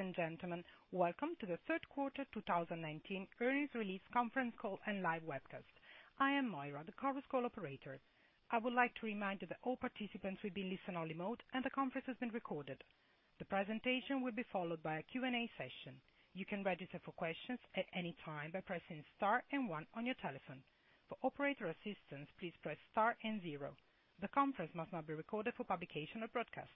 Ladies and gentlemen, welcome to the third quarter 2019 earnings release conference call and live webcast. I am Moira, the conference call operator. I would like to remind you that all participants will be in listen-only mode and the conference is being recorded. The presentation will be followed by a Q&A session. You can register for questions at any time by pressing star and one on your telephone. For operator assistance, please press star and zero. The conference must not be recorded for publication or broadcast.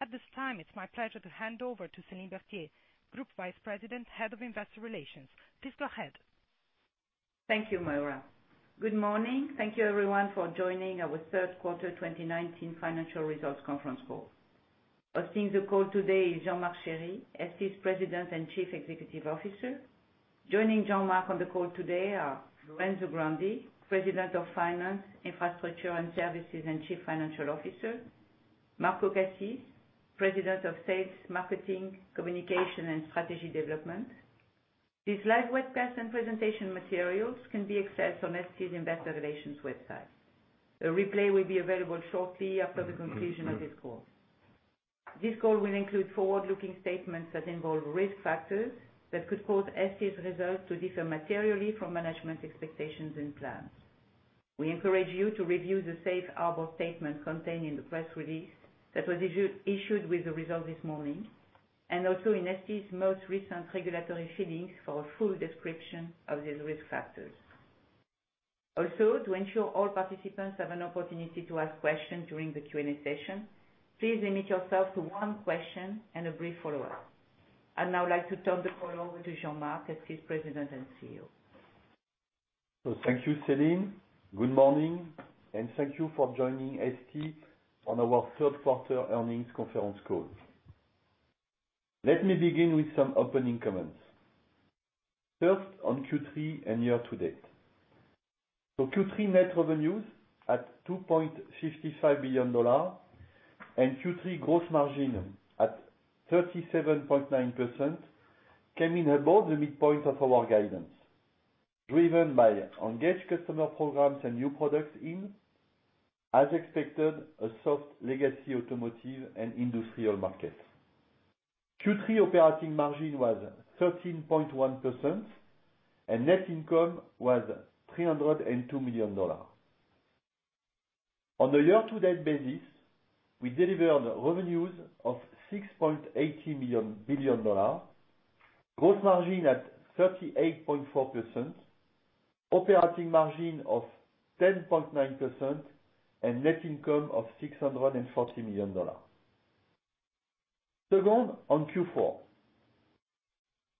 At this time, it's my pleasure to hand over to Céline Berthier, Group Vice President, Head of Investor Relations. Please go ahead. Thank you, Moira. Good morning. Thank you everyone for joining our third quarter 2019 financial results conference call. Hosting the call today is Jean-Marc Chéry, ST's President and Chief Executive Officer. Joining Jean-Marc on the call today are Lorenzo Grandi, President of Finance, Infrastructure, and Services and Chief Financial Officer, Marco Cassis, President of Sales, Marketing, Communication, and Strategy Development. This live webcast and presentation materials can be accessed on ST's Investor Relations website. A replay will be available shortly after the conclusion of this call. This call will include forward-looking statements that involve risk factors that could cause ST's results to differ materially from management's expectations and plans. We encourage you to review the safe harbor statement contained in the press release that was issued with the results this morning, and also in ST's most recent regulatory filings for a full description of these risk factors. To ensure all participants have an opportunity to ask questions during the Q&A session, please limit yourself to one question and a brief follow-up. I'd now like to turn the call over to Jean-Marc, ST's President and CEO. Thank you, Céline. Good morning, and thank you for joining ST on our third quarter earnings conference call. Let me begin with some opening comments. First, on Q3 and year-to-date. Q3 net revenues at $2.55 billion and Q3 gross margin at 37.9% came in above the midpoint of our guidance, driven by engaged customer programs and new products in, as expected, a soft legacy automotive and industrial market. Q3 operating margin was 13.1% and net income was $302 million. On a year-to-date basis, we delivered revenues of $6.80 billion, gross margin at 38.4%, operating margin of 10.9%, and net income of $640 million. Second, on Q4.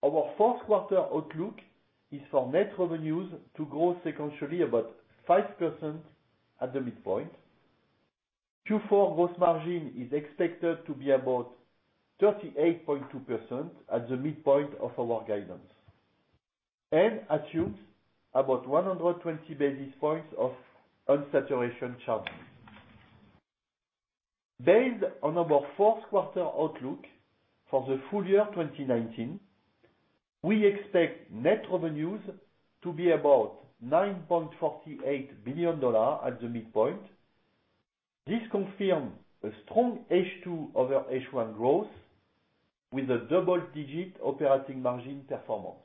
Our fourth quarter outlook is for net revenues to grow sequentially about 5% at the midpoint. Q4 gross margin is expected to be about 38.2% at the midpoint of our guidance and assumes about 120 basis points of unsaturation charges. Based on our fourth quarter outlook for the full year 2019, we expect net revenues to be about $9.48 billion at the midpoint. This confirms a strong H2 over H1 growth with a double-digit operating margin performance.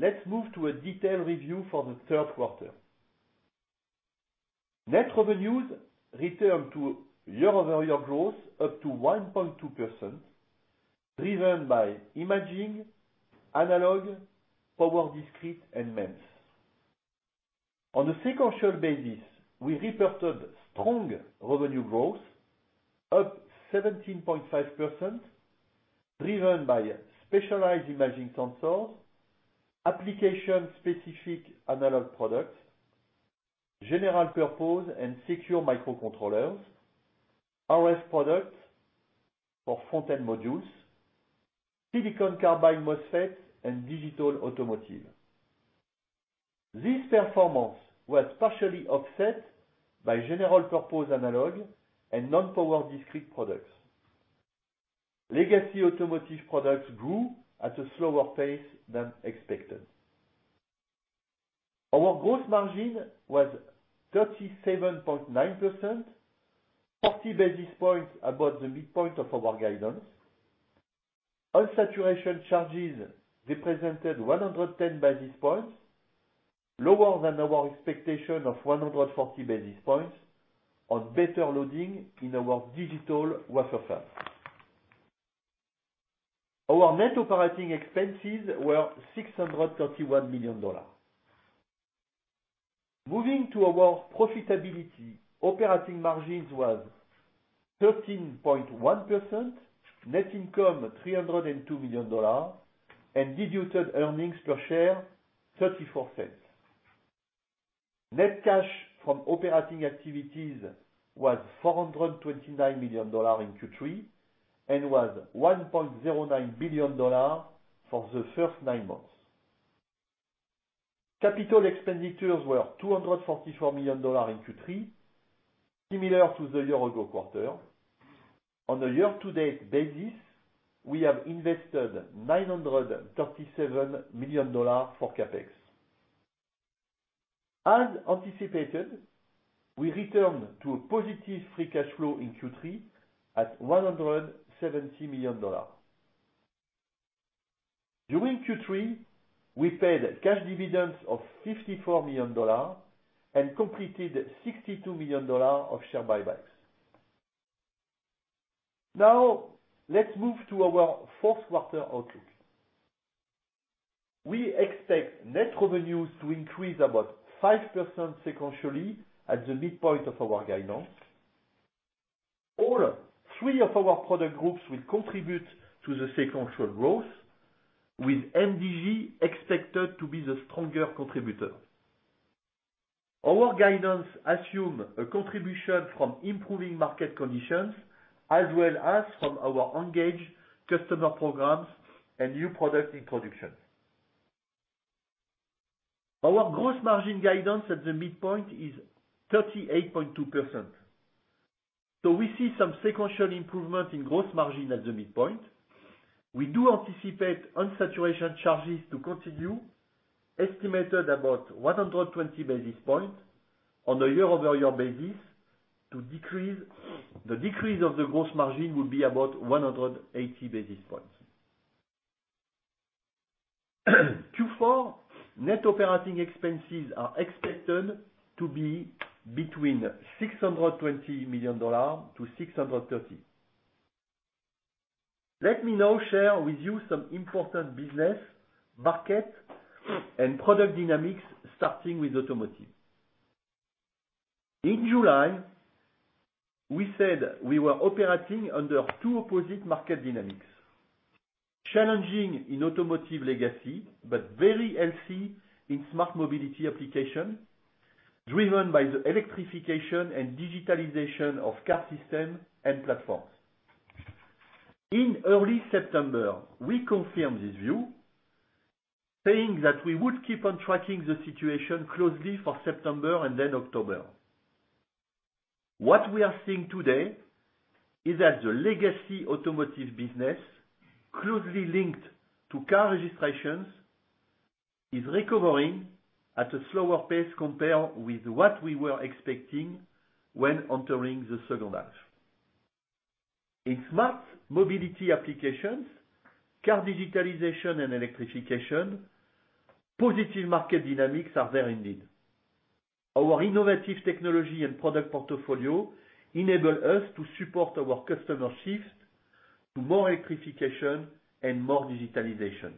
Let's move to a detailed review for the third quarter. Net revenues return to year-over-year growth up to 1.2%, driven by imaging, analog, power discrete, and MEMS. On a sequential basis, we reported strong revenue growth up 17.5%, driven by specialized imaging sensors, application-specific analog products, general purpose and secure microcontrollers, RF products for front-end modules, silicon carbide MOSFETs, and digital automotive. This performance was partially offset by general purpose analog and non-power discrete products. Legacy automotive products grew at a slower pace than expected. Our gross margin was 37.9%, 40 basis points above the midpoint of our guidance. Unsaturation charges represented 110 basis points, lower than our expectation of 140 basis points on better loading in our digital wafer fab. Our net operating expenses were $631 million. Moving to our profitability, operating margins was 13.1%, net income $302 million, and diluted earnings per share $0.34. Net cash from operating activities was $429 million in Q3 and was $1.09 billion for the first nine months. Capital expenditures were $244 million in Q3, similar to the year-ago quarter. On a year-to-date basis, we have invested $937 million for CapEx. As anticipated, we return to a positive free cash flow in Q3 at $170 million. During Q3, we paid cash dividends of $54 million and completed $62 million of share buybacks. Let's move to our fourth quarter outlook. We expect net revenues to increase about 5% sequentially at the midpoint of our guidance. All three of our product groups will contribute to the sequential growth, with MDG expected to be the stronger contributor. Our guidance assumes a contribution from improving market conditions as well as from our engaged customer programs and new product introductions. Our gross margin guidance at the midpoint is 38.2%. We see some sequential improvement in gross margin at the midpoint. We do anticipate unsaturation charges to continue, estimated about 120 basis points on a year-over-year basis. The decrease of the gross margin will be about 180 basis points. Q4 net operating expenses are expected to be between $620 million to $630 million. Let me now share with you some important business, market, and product dynamics, starting with automotive. In July, we said we were operating under two opposite market dynamics, challenging in automotive legacy, but very healthy in smart mobility application, driven by the electrification and digitalization of car systems and platforms. In early September, we confirmed this view, saying that we would keep on tracking the situation closely for September and then October. What we are seeing today is that the legacy automotive business, closely linked to car registrations, is recovering at a slower pace compared with what we were expecting when entering the second half. In smart mobility applications, car digitalization and electrification, positive market dynamics are there indeed. Our innovative technology and product portfolio enable us to support our customer shift to more electrification and more digitalization.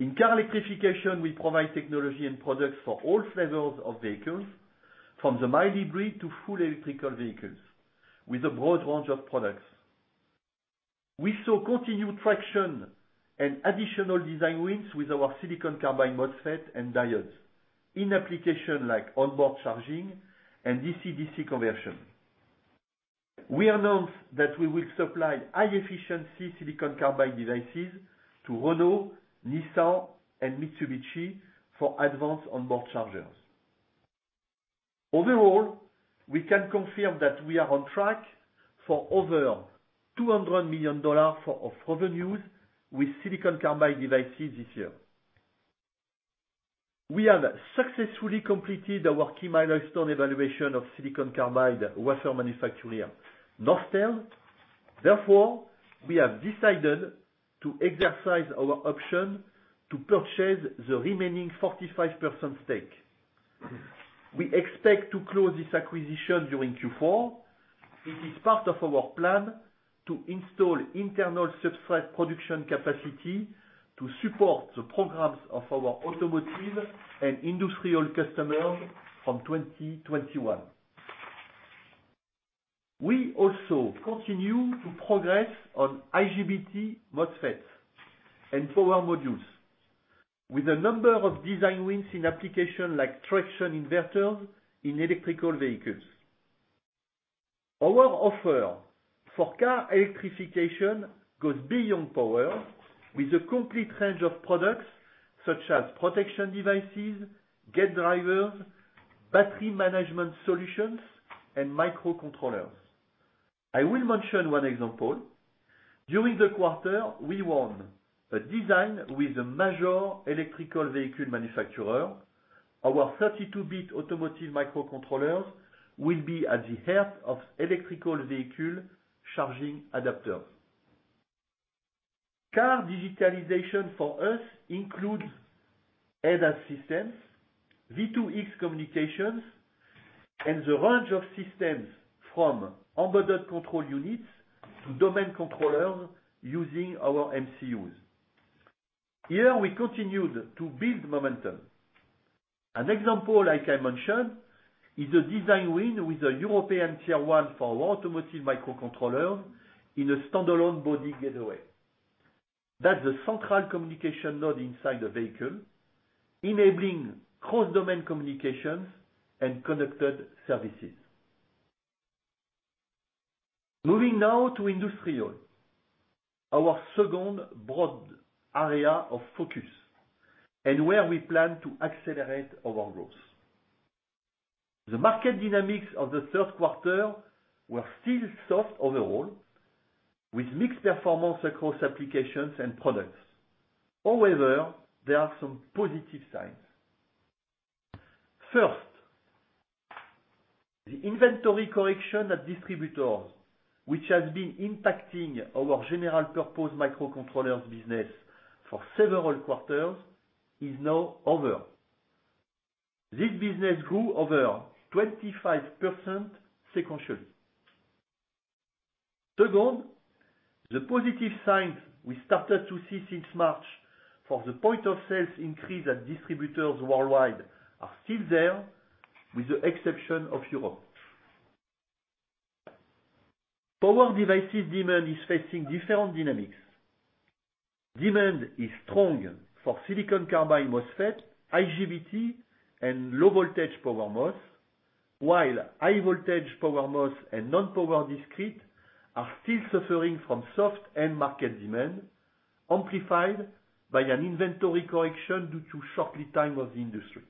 In car electrification, we provide technology and products for all flavors of vehicles, from the mild hybrid to full electrical vehicles, with a broad range of products. We saw continued traction and additional design wins with our silicon carbide MOSFET and diodes in applications like onboard charging and DC-DC conversion. We announced that we will supply high-efficiency silicon carbide devices to Renault, Nissan, and Mitsubishi for advanced onboard chargers. Overall, we can confirm that we are on track for over $200 million of revenues with silicon carbide devices this year. We have successfully completed our key milestone evaluation of silicon carbide wafer manufacturer, Norstel. Therefore, we have decided to exercise our option to purchase the remaining 45% stake. We expect to close this acquisition during Q4. It is part of our plan to install internal substrate production capacity to support the programs of our automotive and industrial customers from 2021. We also continue to progress on IGBT MOSFET and power modules with a number of design wins in applications like traction inverters in electrical vehicles. Our offer for car electrification goes beyond power, with a complete range of products such as protection devices, gate drivers, battery management solutions, and microcontrollers. I will mention one example. During the quarter, we won a design with a major electrical vehicle manufacturer. Our 32-bit automotive microcontrollers will be at the heart of electrical vehicle charging adapters. Car digitalization for us includes ADAS systems, V2X communications, and the range of systems from embedded control units to domain controllers using our MCUs. Here, we continued to build momentum. An example, like I mentioned, is a design win with a European tier 1 for automotive microcontroller in a standalone body gateway. That's the central communication node inside the vehicle, enabling cross-domain communications and connected services. Moving now to industrial, our second broad area of focus, and where we plan to accelerate our growth. The market dynamics of the third quarter were still soft overall with mixed performance across applications and products. There are some positive signs. First, the inventory correction at distributors, which has been impacting our general purpose microcontrollers business for several quarters, is now over. This business grew over 25% sequentially. Second, the positive signs we started to see since March for the point of sales increase at distributors worldwide are still there, with the exception of Europe. Power devices demand is facing different dynamics. Demand is strong for silicon carbide MOSFET, IGBT, and low voltage Power MOS, while high voltage Power MOS and non-power discrete are still suffering from soft end market demand, amplified by an inventory correction due to short lead time of the industry.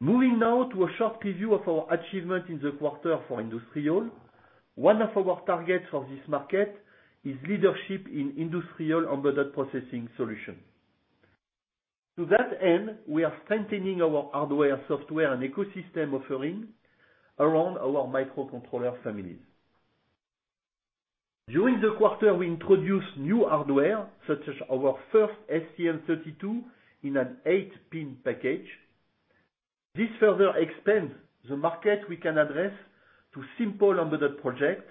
Moving now to a short preview of our achievement in the quarter for industrial. One of our targets for this market is leadership in industrial embedded processing solution. To that end, we are strengthening our hardware, software, and ecosystem offering around our microcontroller families. During the quarter, we introduced new hardware such as our first STM32 in an 8-pin package. This further expands the market we can address to simple embedded project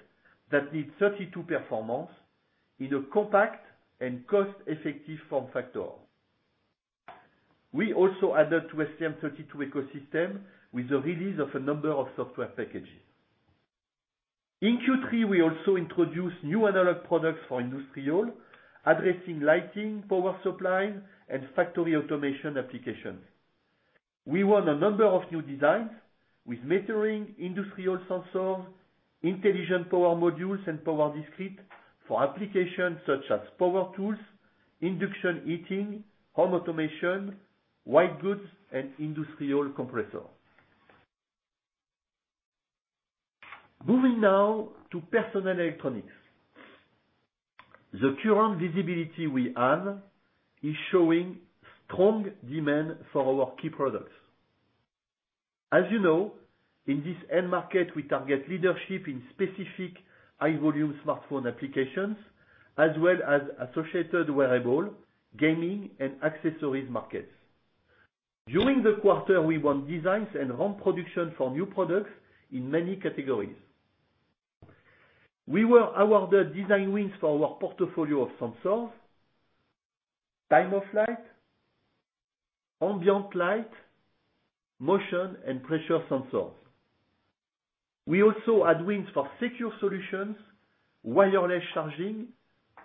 that needs 32 performance in a compact and cost-effective form factor. We also added to STM32 ecosystem with the release of a number of software packages. In Q3, we also introduced new analog products for industrial, addressing lighting, power supply, and factory automation applications. We won a number of new designs with metering, industrial sensors, intelligent power modules, and power discrete for applications such as power tools, induction heating, home automation, white goods, and industrial compressor. Moving now to personal electronics. The current visibility we have is showing strong demand for our key products. As you know, in this end market, we target leadership in specific high volume smartphone applications, as well as associated wearable, gaming, and accessories markets. During the quarter, we won designs and ramp production for new products in many categories. We were awarded design wins for our portfolio of sensors, Time-of-Flight, ambient light, motion, and pressure sensors. We also had wins for secure solutions, wireless charging,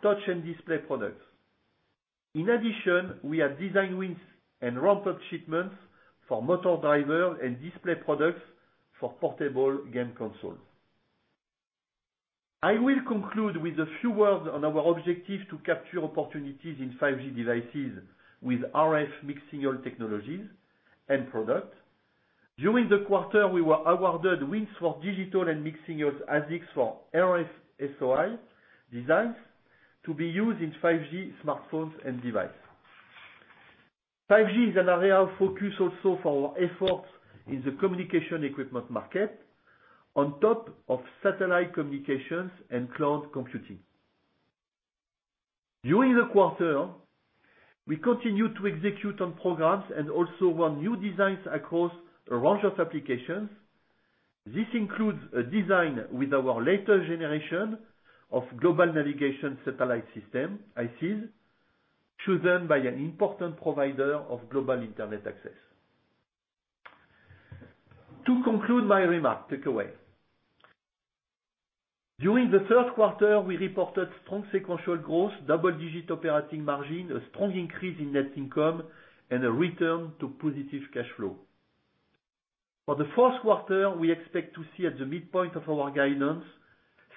touch and display products. In addition, we had design wins and ramped up shipments for motor driver and display products for portable game consoles. I will conclude with a few words on our objective to capture opportunities in 5G devices with RF mixed-signal technologies and product. During the quarter, we were awarded wins for digital and mixed-signal ASICs for RF SOI designs to be used in 5G smartphones and devices. 5G is an area of focus also for our efforts in the communication equipment market, on top of satellite communications and cloud computing. During the quarter, we continued to execute on programs and also won new designs across a range of applications. This includes a design with our latest generation of global navigation satellite system, ICs, chosen by an important provider of global internet access. To conclude my remarks. During the third quarter, we reported strong sequential growth, double-digit operating margin, a strong increase in net income, and a return to positive cash flow. For the fourth quarter, we expect to see at the midpoint of our guidance,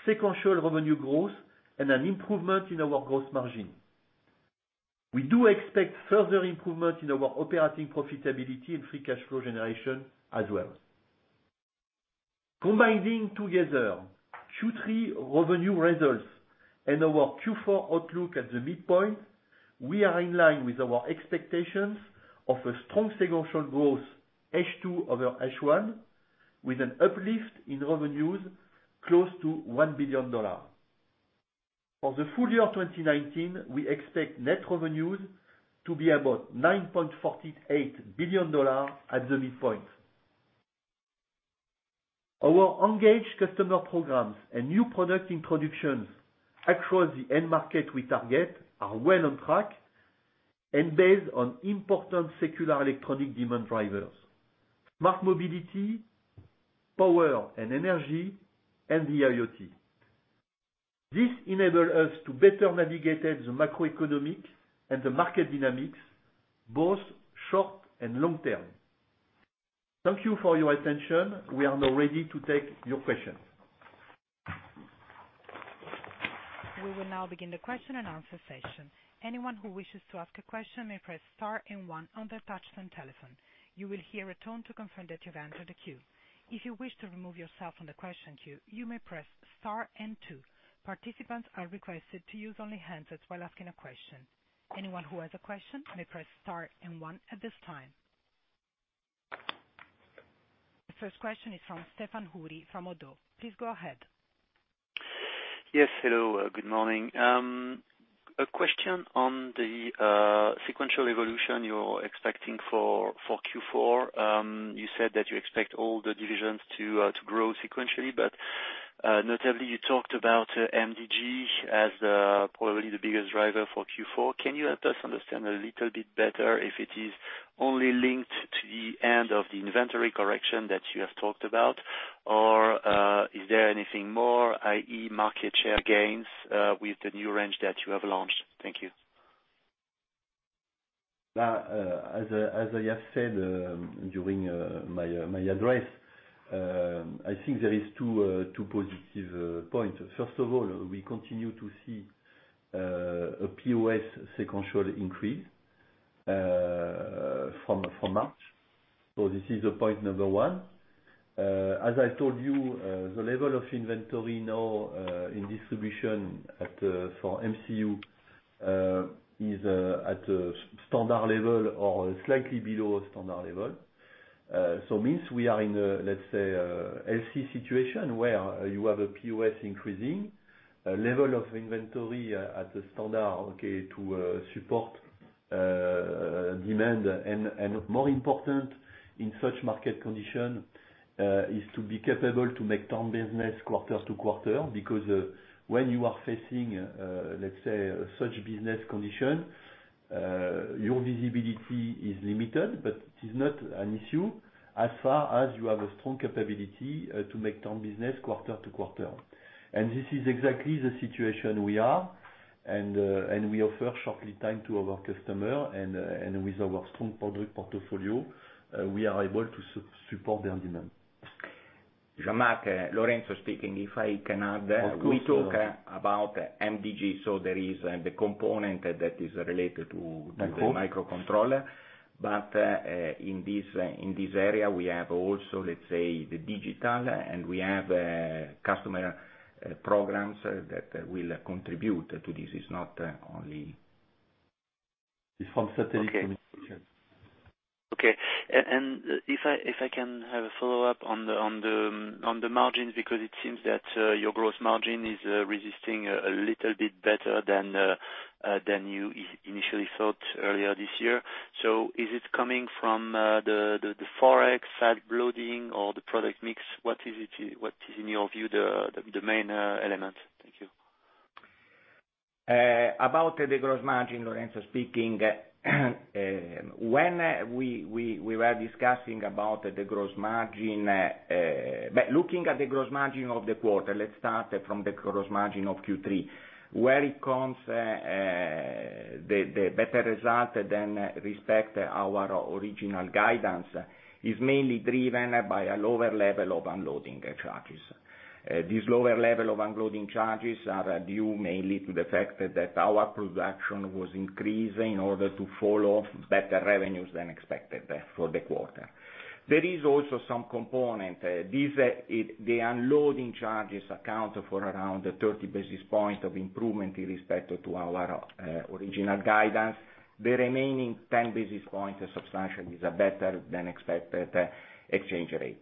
sequential revenue growth and an improvement in our growth margin. We do expect further improvement in our operating profitability and free cash flow generation as well. Combining together Q3 revenue results and our Q4 outlook at the midpoint, we are in line with our expectations of a strong sequential growth H2 over H1, with an uplift in revenues close to $1 billion. For the full year 2019, we expect net revenues to be about $9.48 billion at the midpoint. Our engaged customer programs and new product introductions across the end market we target are well on track and based on important secular electronic demand drivers, smart mobility, power and energy, and the IoT. This enable us to better navigate the macroeconomic and the market dynamics, both short and long term. Thank you for your attention. We are now ready to take your questions. We will now begin the question and answer session. Anyone who wishes to ask a question may press star and one on their touchtone telephone. You will hear a tone to confirm that you've entered the queue. If you wish to remove yourself from the question queue, you may press star and two. Participants are requested to use only handsets while asking a question. Anyone who has a question may press star and one at this time. The first question is from Stéphane Houri from ODDO BHF. Please go ahead. Yes. Hello, good morning. A question on the sequential evolution you're expecting for Q4. Notably, you talked about MDG as probably the biggest driver for Q4. Can you help us understand a little bit better if it is only linked to the end of the inventory correction that you have talked about, or is there anything more, i.e., market share gains, with the new range that you have launched? Thank you. As I have said during my address, I think there is two positive points. First of all, we continue to see a POS sequential increase from March. This is point number one. As I told you, the level of inventory now in distribution for MCU is at a standard level or slightly below a standard level. Means we are in a, let's say, healthy situation where you have a POS increasing, a level of inventory at the standard to support demand, and more important in such market condition is to be capable to make turn business quarter to quarter. When you are facing, let's say, such business condition, your visibility is limited, but it is not an issue as far as you have a strong capability to make turn business quarter to quarter. This is exactly the situation we are, and we offer shortly time to our customer and with our strong product portfolio, we are able to support their demand. Jean-Marc, Lorenzo speaking. Of course. we talk about MDG, so there is the component that is related to- Of course. the microcontroller. In this area, we have also, let's say, the digital, we have customer programs that will contribute to this. It's not only It's from satellite communication. Okay. If I can have a follow-up on the margins, because it seems that your gross margin is resisting a little bit better than you initially thought earlier this year. Is it coming from the Forex side loading or the product mix? What is in your view the main element? Thank you. About the gross margin, Lorenzo speaking. Looking at the gross margin of the quarter, let's start from the gross margin of Q3, where it comes, the better result than respect our original guidance is mainly driven by a lower level of unloading charges. These lower level of unloading charges are due mainly to the fact that our production was increasing in order to follow better revenues than expected for the quarter. There is also some component. The unloading charges account for around 30 basis points of improvement in respect to our original guidance. The remaining 10 basis points substantially is a better than expected exchange rate.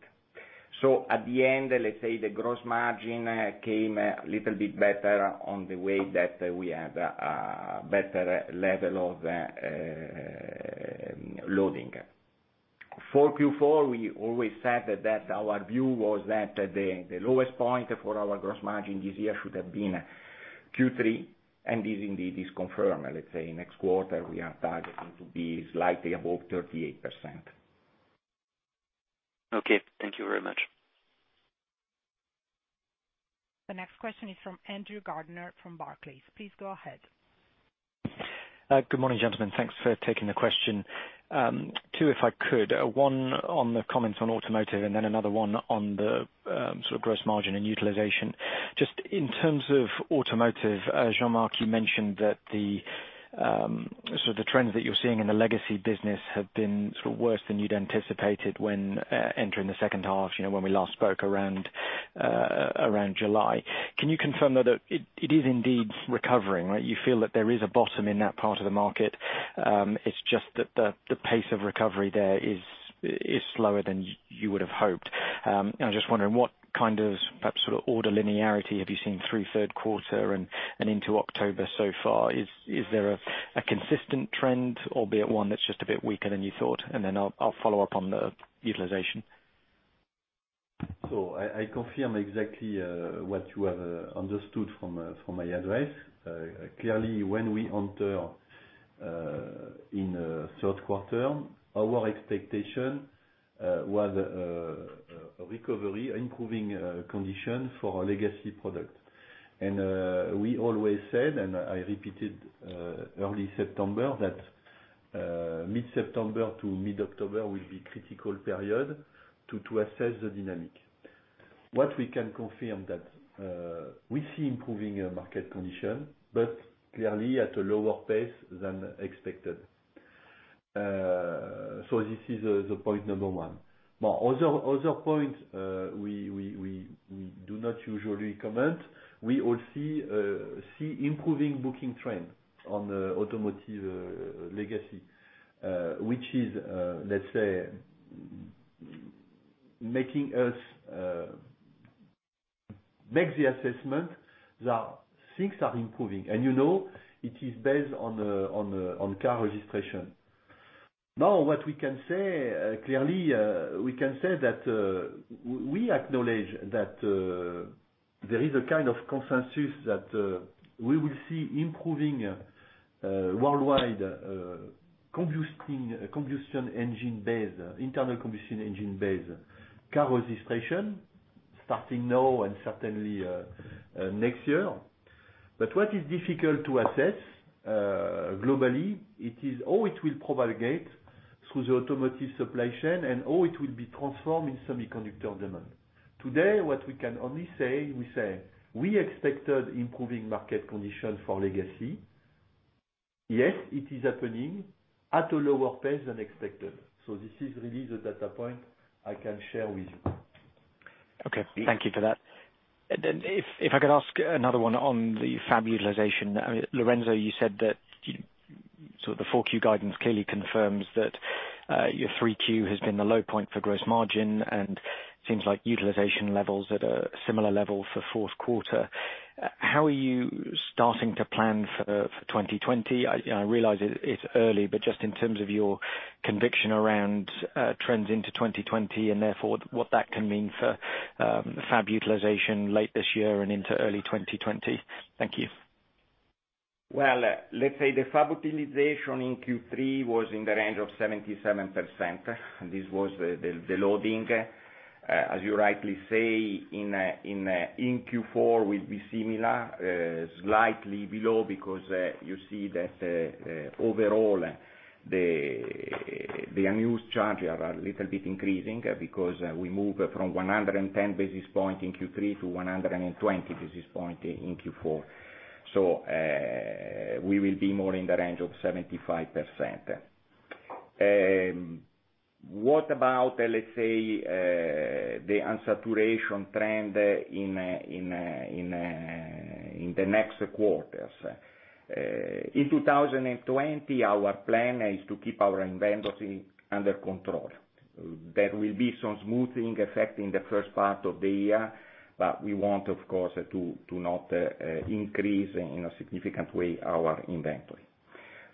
At the end, let's say the gross margin came a little bit better on the way that we had a better level of unloading. For Q4, we always said that our view was that the lowest point for our gross margin this year should have been Q3. This indeed is confirmed. Let's say next quarter we are targeting to be slightly above 38%. Okay. Thank you very much. The next question is from Andrew Gardiner from Barclays. Please go ahead. Good morning, gentlemen. Thanks for taking the question. Two, if I could, one on the comments on automotive and then another one on the gross margin and utilization. Just in terms of automotive, Jean-Marc, you mentioned that the trends that you're seeing in the legacy business have been worse than you'd anticipated when entering the second half, when we last spoke around July. Can you confirm that it is indeed recovering, right? You feel that there is a bottom in that part of the market, it's just that the pace of recovery there is slower than you would have hoped. I'm just wondering what kind of perhaps sort of order linearity have you seen through third quarter and into October so far? Is there a consistent trend, albeit one that's just a bit weaker than you thought? I'll follow up on the utilization. I confirm exactly what you have understood from my address. Clearly, when we enter in third quarter, our expectation was a recovery, improving condition for our legacy product. We always said, and I repeated early September that mid-September to mid-October will be critical period to assess the dynamic. What we can confirm that we see improving market condition, but clearly at a lower pace than expected. This is the point number 1. Other point, we do not usually comment. We also see improving booking trend on the automotive legacy, which is, let's say, make the assessment that things are improving. It is based on car registration. What we can say, clearly, we can say that we acknowledge that there is a kind of consensus that we will see improving worldwide internal combustion engine-based car registration starting now and certainly next year. What is difficult to assess globally, it is how it will propagate through the automotive supply chain and how it will be transformed in semiconductor demand. Today, what we can only say, we expected improving market conditions for legacy. Yes, it is happening at a lower pace than expected. This is really the data point I can share with you. Okay. Thank you for that. If I could ask another one on the fab utilization. Lorenzo, you said that sort of the four Q guidance clearly confirms that your three Q has been the low point for gross margin, and seems like utilization levels at a similar level for fourth quarter. How are you starting to plan for 2020? I realize it's early, but just in terms of your conviction around trends into 2020, and therefore what that can mean for fab utilization late this year and into early 2020. Thank you. Well, let's say the fab utilization in Q3 was in the range of 77%. This was the loading. As you rightly say, in Q4 will be similar, slightly below because you see that overall the unused charges are a little bit increasing because we move from 110 basis points in Q3 to 120 basis points in Q4. We will be more in the range of 75%. What about, let's say, the unsaturation trend in the next quarters? In 2020, our plan is to keep our inventory under control. There will be some smoothing effect in the first part of the year, we want, of course, to not increase in a significant way our inventory.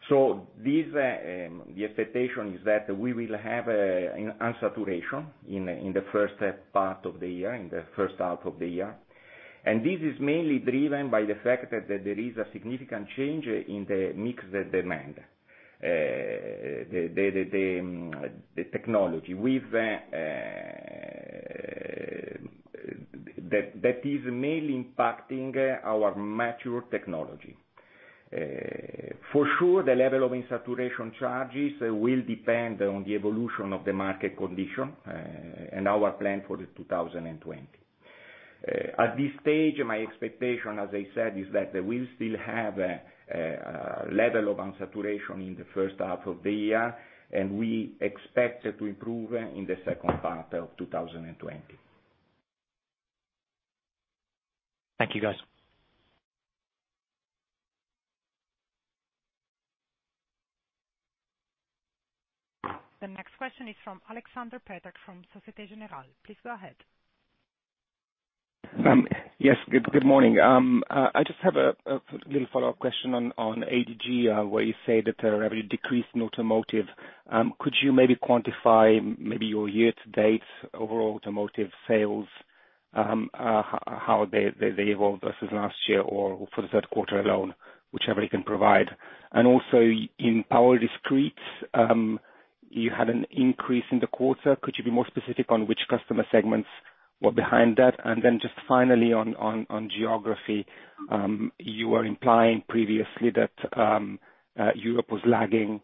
The expectation is that we will have an unsaturation in the first part of the year, in the first half of the year. This is mainly driven by the fact that there is a significant change in the mixed demand. The technology. That is mainly impacting our mature technology. For sure, the level of unsaturation charges will depend on the evolution of the market condition, and our plan for 2020. At this stage, my expectation, as I said, is that we'll still have a level of unsaturation in the first half of the year, and we expect to improve in the second part of 2020. Thank you, guys. The next question is from Aleksander Peterc from Societe Generale. Please go ahead. Yes. Good morning. I just have a little follow-up question on ADG, where you say that the revenue decreased in automotive. Could you maybe quantify maybe your year to date overall automotive sales, how they evolved versus last year or for the third quarter alone, whichever you can provide? Also in power discrete, you had an increase in the quarter. Could you be more specific on which customer segments were behind that? Then just finally on geography, you were implying previously that Europe was lagging,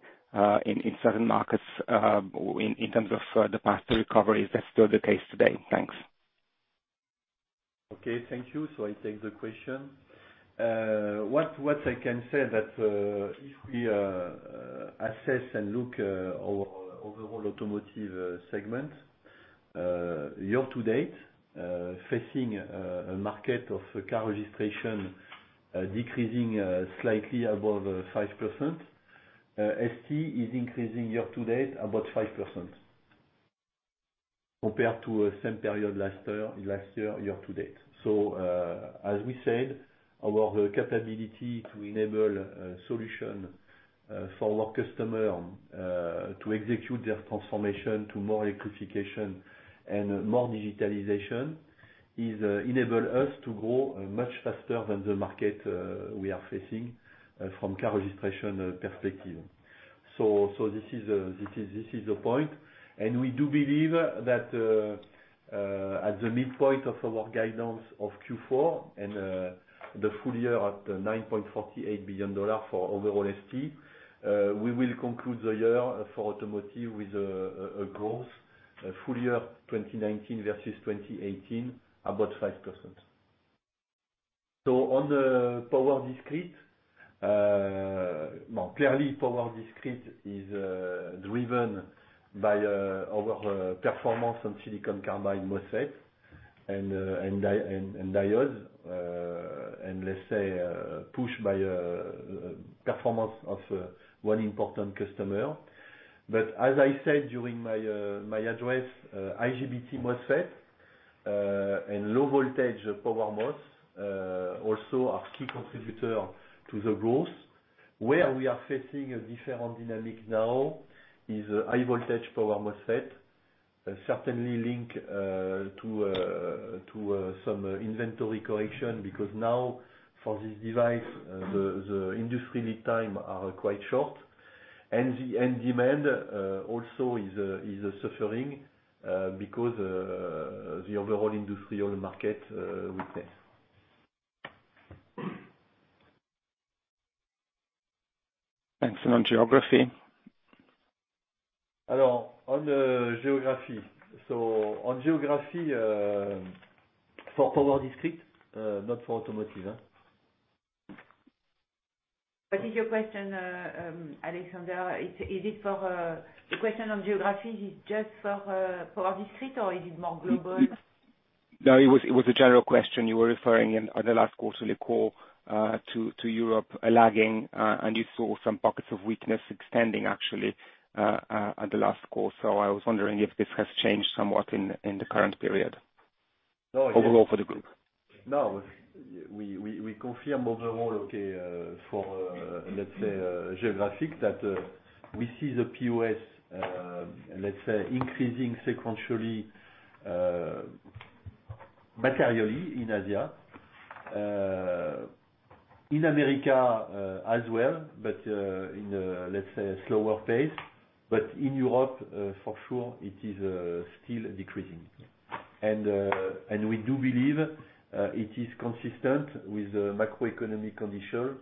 in certain markets, in terms of the faster recovery. Is that still the case today? Thanks. Okay. Thank you. I take the question. What I can say that, if we assess and look our overall automotive segment, year to date, facing a market of car registration decreasing slightly above 5%, ST is increasing year to date about 5% compared to same period last year to date. As we said, our capability to enable a solution for our customer, to execute their transformation to more electrification and more digitalization is enable us to grow much faster than the market we are facing from car registration perspective. This is the point. We do believe that at the midpoint of our guidance of Q4 and the full year at $9.48 billion for overall ST, we will conclude the year for automotive with a growth full year 2019 versus 2018, about 5%. On the power discrete. Clearly, power discrete is driven by our performance on silicon carbide MOSFET and diodes, and let's say, pushed by performance of one important customer. As I said during my address, IGBT MOSFET and low voltage power MOS also are key contributor to the growth. Where we are facing a different dynamic now is high voltage power MOSFET, certainly linked to some inventory correction, because now for this device, the industry lead time are quite short. Demand also is suffering, because the overall industry or the market weakness. Excellent. Geography? On the geography. On geography for power discrete, not for automotive. What is your question, Aleksander? The question on geography, is it just for power discrete, or is it more global? No, it was a general question. You were referring in the last quarterly call to Europe lagging, and you saw some pockets of weakness extending actually at the last call. I was wondering if this has changed somewhat in the current period. No. Overall for the group. No. We confirm overall, okay, for, let's say, geographic, that we see the POS, let's say, increasing sequentially, materially in Asia. In America as well, in a slower pace. In Europe, for sure, it is still decreasing. We do believe it is consistent with the macroeconomic condition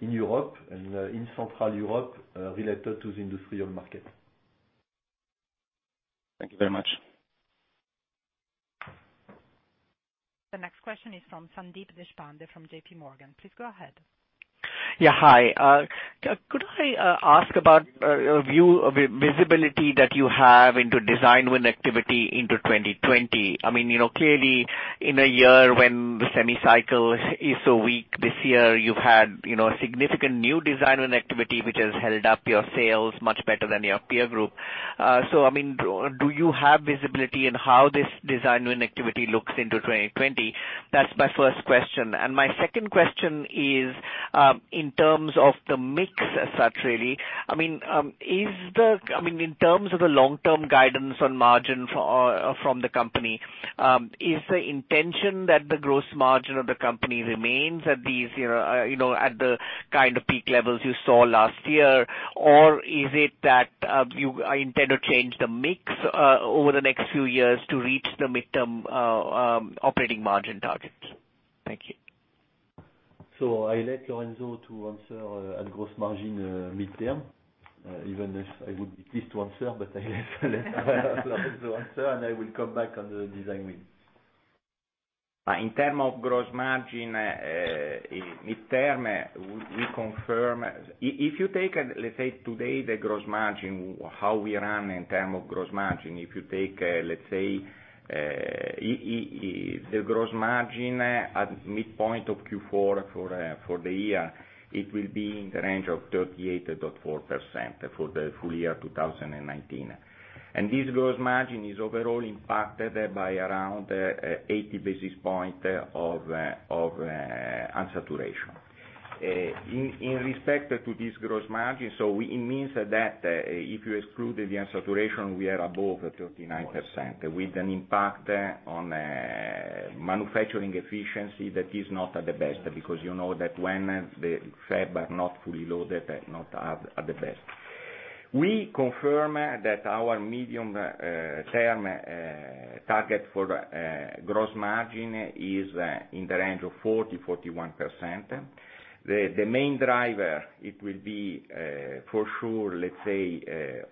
in Europe and in Central Europe related to the industrial market. Thank you very much. The next question is from Sandeep Deshpande, from J.P. Morgan. Please go ahead. Yeah. Hi. Could I ask about a view of visibility that you have into design win activity into 2020? Clearly, in a year when the semi cycle is so weak this year, you've had significant new design win activity, which has held up your sales much better than your peer group. Do you have visibility in how this design win activity looks into 2020? That's my first question. My second question is, in terms of the mix as such, really, in terms of the long-term guidance on margin from the company, is the intention that the gross margin of the company remains at the kind of peak levels you saw last year? Is it that you intend to change the mix over the next few years to reach the midterm operating margin targets? Thank you. I let Lorenzo to answer at gross margin midterm, even if I would be pleased to answer, but I let Lorenzo answer, and I will come back on the design win. In terms of gross margin, midterm, we confirm. If you take, let's say, today, the gross margin, how we run in terms of gross margin. If you take, let's say, the gross margin at midpoint of Q4 for the year, it will be in the range of 38.4% for the full year 2019. This gross margin is overall impacted by around 80 basis points of unsaturation. In respect to this gross margin, it means that if you exclude the unsaturation, we are above 39%, with an impact on manufacturing efficiency that is not the best, because you know that when the fab are not fully loaded, not at the best. We confirm that our medium-term target for gross margin is in the range of 40%-41%. The main driver, it will be, for sure, let's say,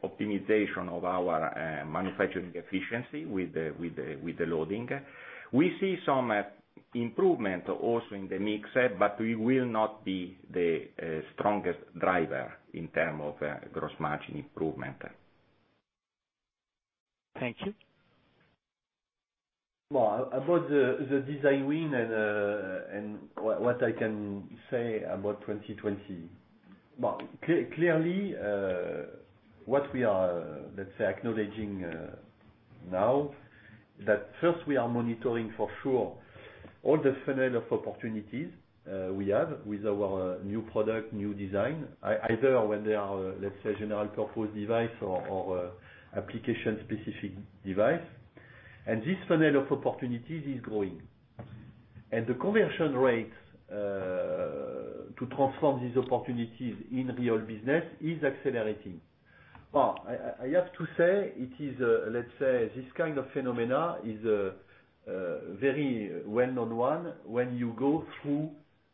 optimization of our manufacturing efficiency with the loading. We see some improvement also in the mix, but we will not be the strongest driver in terms of gross margin improvement. Thank you. About the design win and what I can say about 2020. Clearly, what we are acknowledging now, that first, we are monitoring for sure all the funnel of opportunities we have with our new product, new design, either when they are, let's say, general purpose device or application-specific device. This funnel of opportunities is growing. The conversion rate to transform these opportunities in real business is accelerating. I have to say, this kind of phenomena is a very well-known one when you go through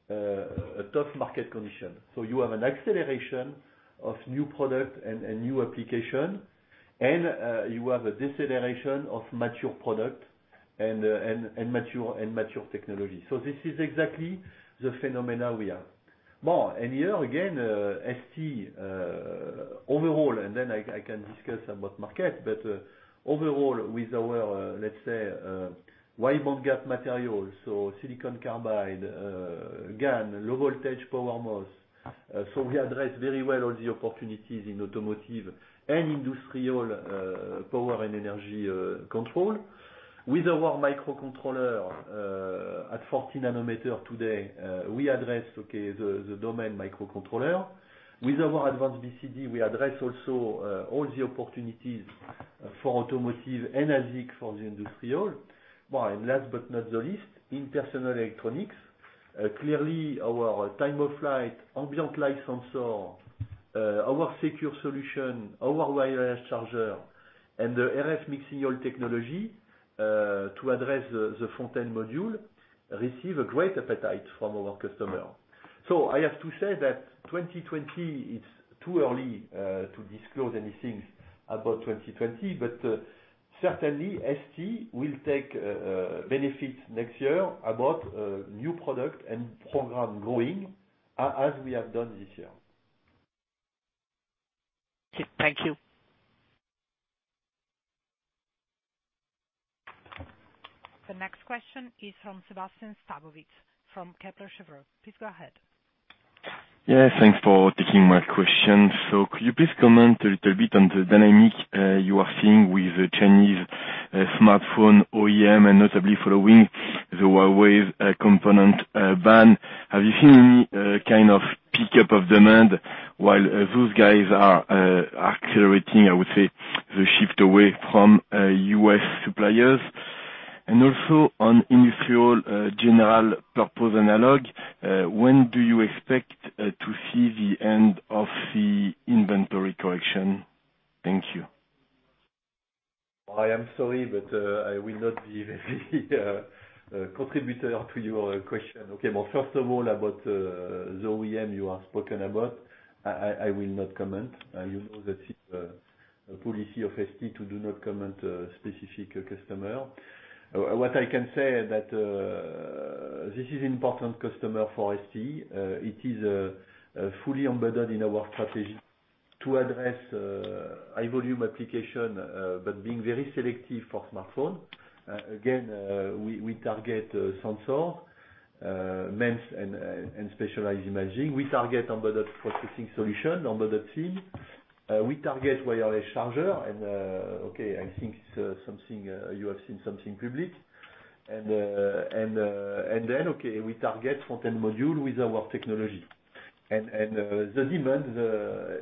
a tough market condition. You have an acceleration of new product and new application, and you have a deceleration of mature product and mature technology. This is exactly the phenomena we have. Here again, ST overall, and then I can discuss about market, but overall with our wide bandgap materials, so silicon carbide, GaN, low voltage PowerMOS. We address very well all the opportunities in automotive and industrial power and energy control. With our microcontroller at 40 nanometer today, we address, okay, the domain microcontroller. With our advanced BCD, we address also all the opportunities for automotive and ASIC for the industrial. Last but not the least, in personal electronics, clearly our Time-of-Flight, ambient light sensor, our secure solution, our wireless charger, and the RF mixed-signal technology, to address the front-end module, receive a great appetite from our customer. I have to say that 2020, it's too early to disclose anything about 2020. Certainly ST will take benefit next year about new product and program growing, as we have done this year. Thank you. The next question is from Sébastien Sztabowicz from Kepler Cheuvreux. Please go ahead. Yeah, thanks for taking my question. Could you please comment a little bit on the dynamic you are seeing with the Chinese smartphone OEM and notably following the Huawei component ban. Have you seen any kind of pickup of demand while those guys are accelerating, I would say, the shift away from U.S. suppliers? Also on industrial general purpose analog, when do you expect to see the end of the inventory correction? Thank you. I am sorry, but I will not be very contributor to your question. Okay, well, first of all, about the OEM you have spoken about, I will not comment. You know that it's a policy of ST to do not comment specific customer. What I can say that this is important customer for ST. It is fully embedded in our strategy to address high volume application, but being very selective for smartphone. Again, we target sensor, MEMS, and specialized imaging. We target embedded processing solution, embedded SIM. We target wireless charger and, okay, I think you have seen something public. Okay, we target front-end module with our technology. The demand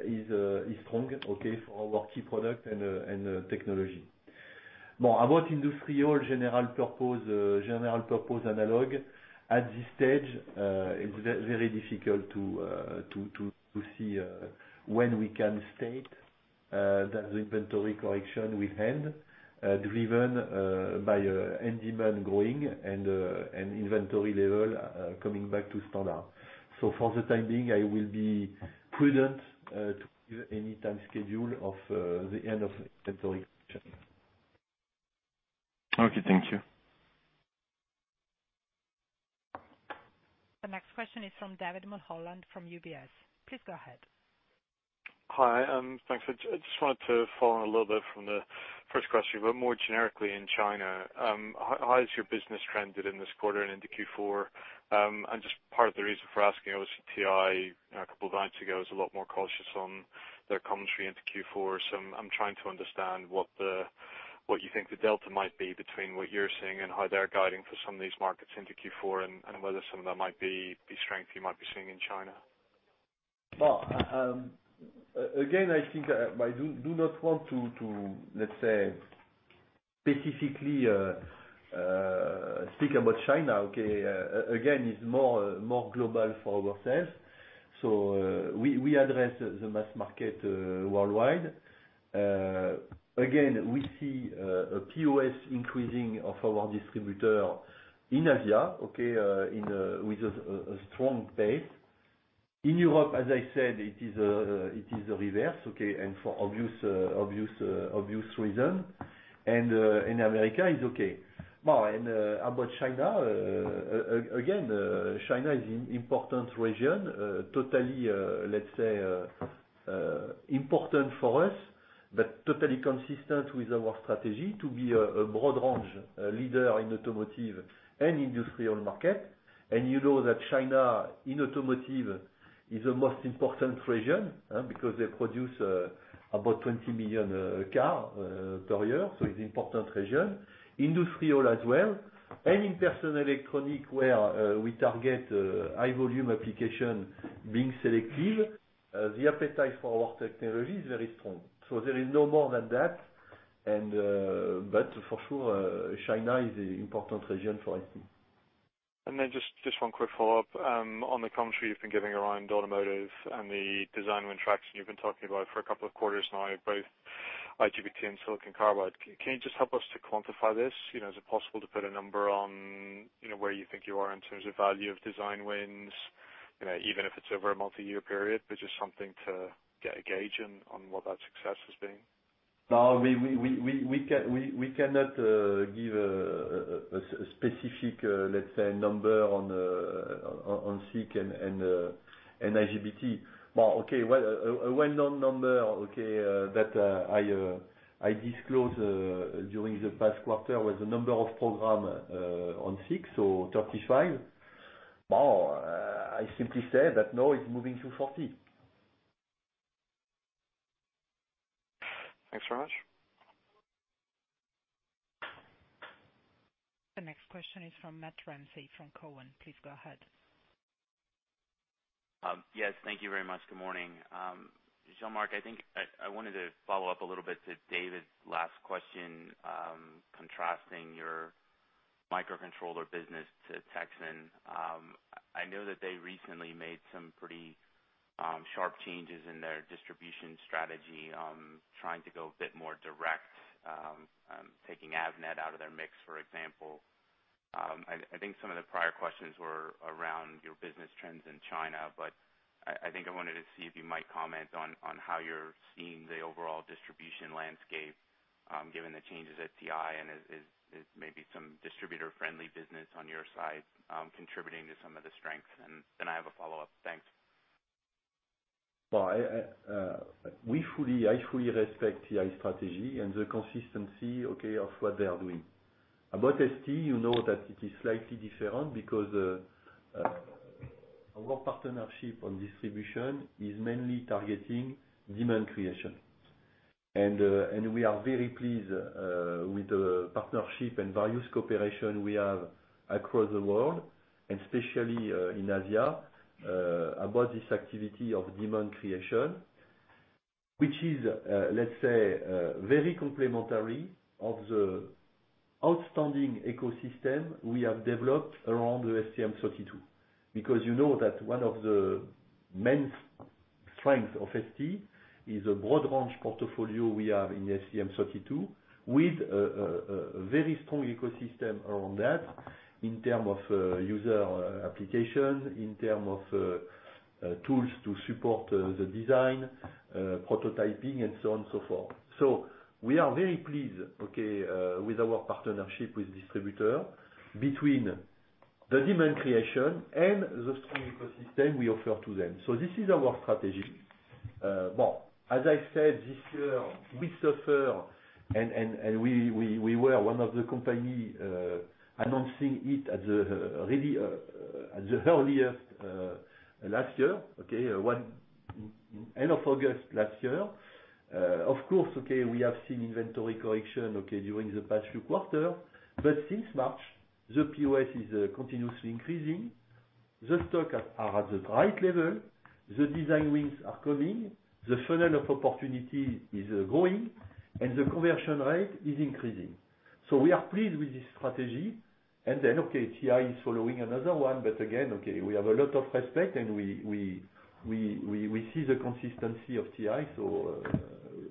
is strong, okay, for our key product and technology. About industrial general purpose analog, at this stage, it's very difficult to see when we can state that the inventory correction will end, driven by end demand growing and inventory level coming back to standard. For the time being, I will be prudent to give any time schedule of the end of inventory correction. Okay, thank you. The next question is from David Mulholland from UBS. Please go ahead. Hi, thanks. I just wanted to follow on a little bit from the first question, but more generically in China. How has your business trended in this quarter and into Q4? Just part of the reason for asking, obviously TI, a couple of nights ago, was a lot more cautious on their commentary into Q4. I'm trying to understand what you think the delta might be between what you're seeing and how they're guiding for some of these markets into Q4, and whether some of that might be strength you might be seeing in China. I do not want to, let's say, specifically speak about China, okay? It's more global for ourselves. We address the mass market worldwide. We see a POS increasing of our distributor in Asia, okay, with a strong pace. In Europe, as I said, it is the reverse, okay, and for obvious reason. In America, it's okay. About China, again, China is an important region. Totally, let's say, important for us, but totally consistent with our strategy to be a broad range leader in automotive and industrial market. You know that China, in automotive, is the most important region because they produce about 20 million car per year, so it's important region. Industrial as well. In personal electronic where we target high volume application, being selective, the appetite for our technology is very strong. There is no more than that. For sure, China is an important region for ST. Just one quick follow-up. On the commentary you've been giving around automotive and the design win traction you've been talking about for a couple of quarters now, both IGBT and silicon carbide. Can you just help us to quantify this? Is it possible to put a number on where you think you are in terms of value of design wins? Even if it's over a multi-year period, but just something to get a gauge in on what that success has been. No, we cannot give a specific, let's say, number on SiC and IGBT. Well, okay. A well-known number, okay, that I disclosed during the past quarter was the number of program on SiC, so 35. Well, I simply say that now it's moving to 40. Thanks very much. The next question is from Matt Ramsay from Cowen. Please go ahead. Yes, thank you very much. Good morning. Jean-Marc, I think I wanted to follow up a little bit to David's last question, contrasting your microcontroller business to Texas Instruments. I know that they recently made some pretty sharp changes in their distribution strategy, trying to go a bit more direct, taking Avnet out of their mix, for example. I think some of the prior questions were around your business trends in China. I think I wanted to see if you might comment on how you're seeing the overall distribution landscape, given the changes at TI. Is maybe some distributor-friendly business on your side, contributing to some of the strengths. I have a follow-up. Thanks. Well, I fully respect TI's strategy and the consistency, okay, of what they are doing. About ST, you know that it is slightly different because our partnership on distribution is mainly targeting demand creation. We are very pleased with the partnership and various cooperation we have across the world, and especially in Asia, about this activity of demand creation. Which is, let's say, very complementary of the outstanding ecosystem we have developed around the STM32. You know that one of the main strengths of ST is a broad range portfolio we have in STM32, with a very strong ecosystem around that in term of user application, in term of tools to support the design, prototyping, and so on and so forth. We are very pleased, okay, with our partnership with distributor, between the demand creation and the strong ecosystem we offer to them. This is our strategy. As I said, this year, we suffer, and we were one of the company announcing it at the earliest, last year, end of August last year. We have seen inventory correction during the past few quarter. Since March, the POS is continuously increasing. The stocks are at the right level. The design wins are coming. The funnel of opportunity is growing, and the conversion rate is increasing. We are pleased with this strategy. TI is following another one, but again, we have a lot of respect, and we see the consistency of TI.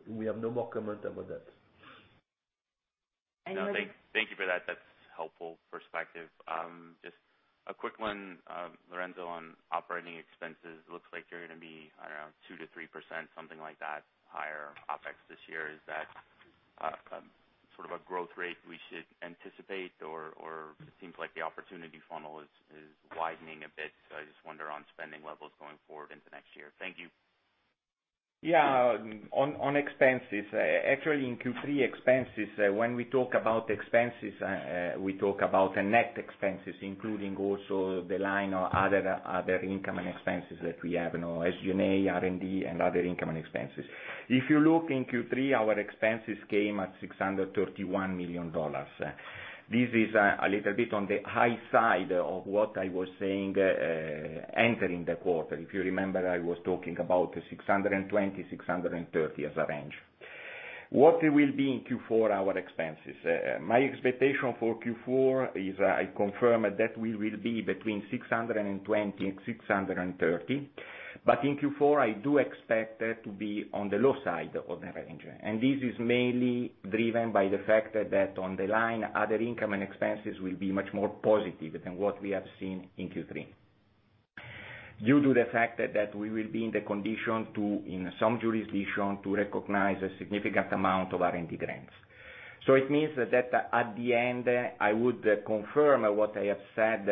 We have no more comment about that. Anyone- No, thank you for that. That's helpful perspective. Just a quick one, Lorenzo, on operating expenses. Looks like you're gonna be, I don't know, 2%-3%, something like that, higher OpEx this year. Is that sort of a growth rate we should anticipate? It seems like the opportunity funnel is widening a bit, so I just wonder on spending levels going forward into next year. Thank you. Yeah. On expenses, actually, in Q3 expenses, when we talk about expenses, we talk about the net expenses, including also the line of other income and expenses that we have, SG&A, R&D, and other income and expenses. If you look in Q3, our expenses came at $631 million. This is a little bit on the high side of what I was saying, entering the quarter. If you remember, I was talking about $620 million-$630 million as a range. What will be in Q4, our expenses? My expectation for Q4 is, I confirm that we will be between $620 million and $630 million. In Q4, I do expect that to be on the low side of the range. This is mainly driven by the fact that on the line, other income and expenses will be much more positive than what we have seen in Q3, due to the fact that we will be in the condition to, in some jurisdiction, to recognize a significant amount of R&D grants. It means that at the end, I would confirm what I have said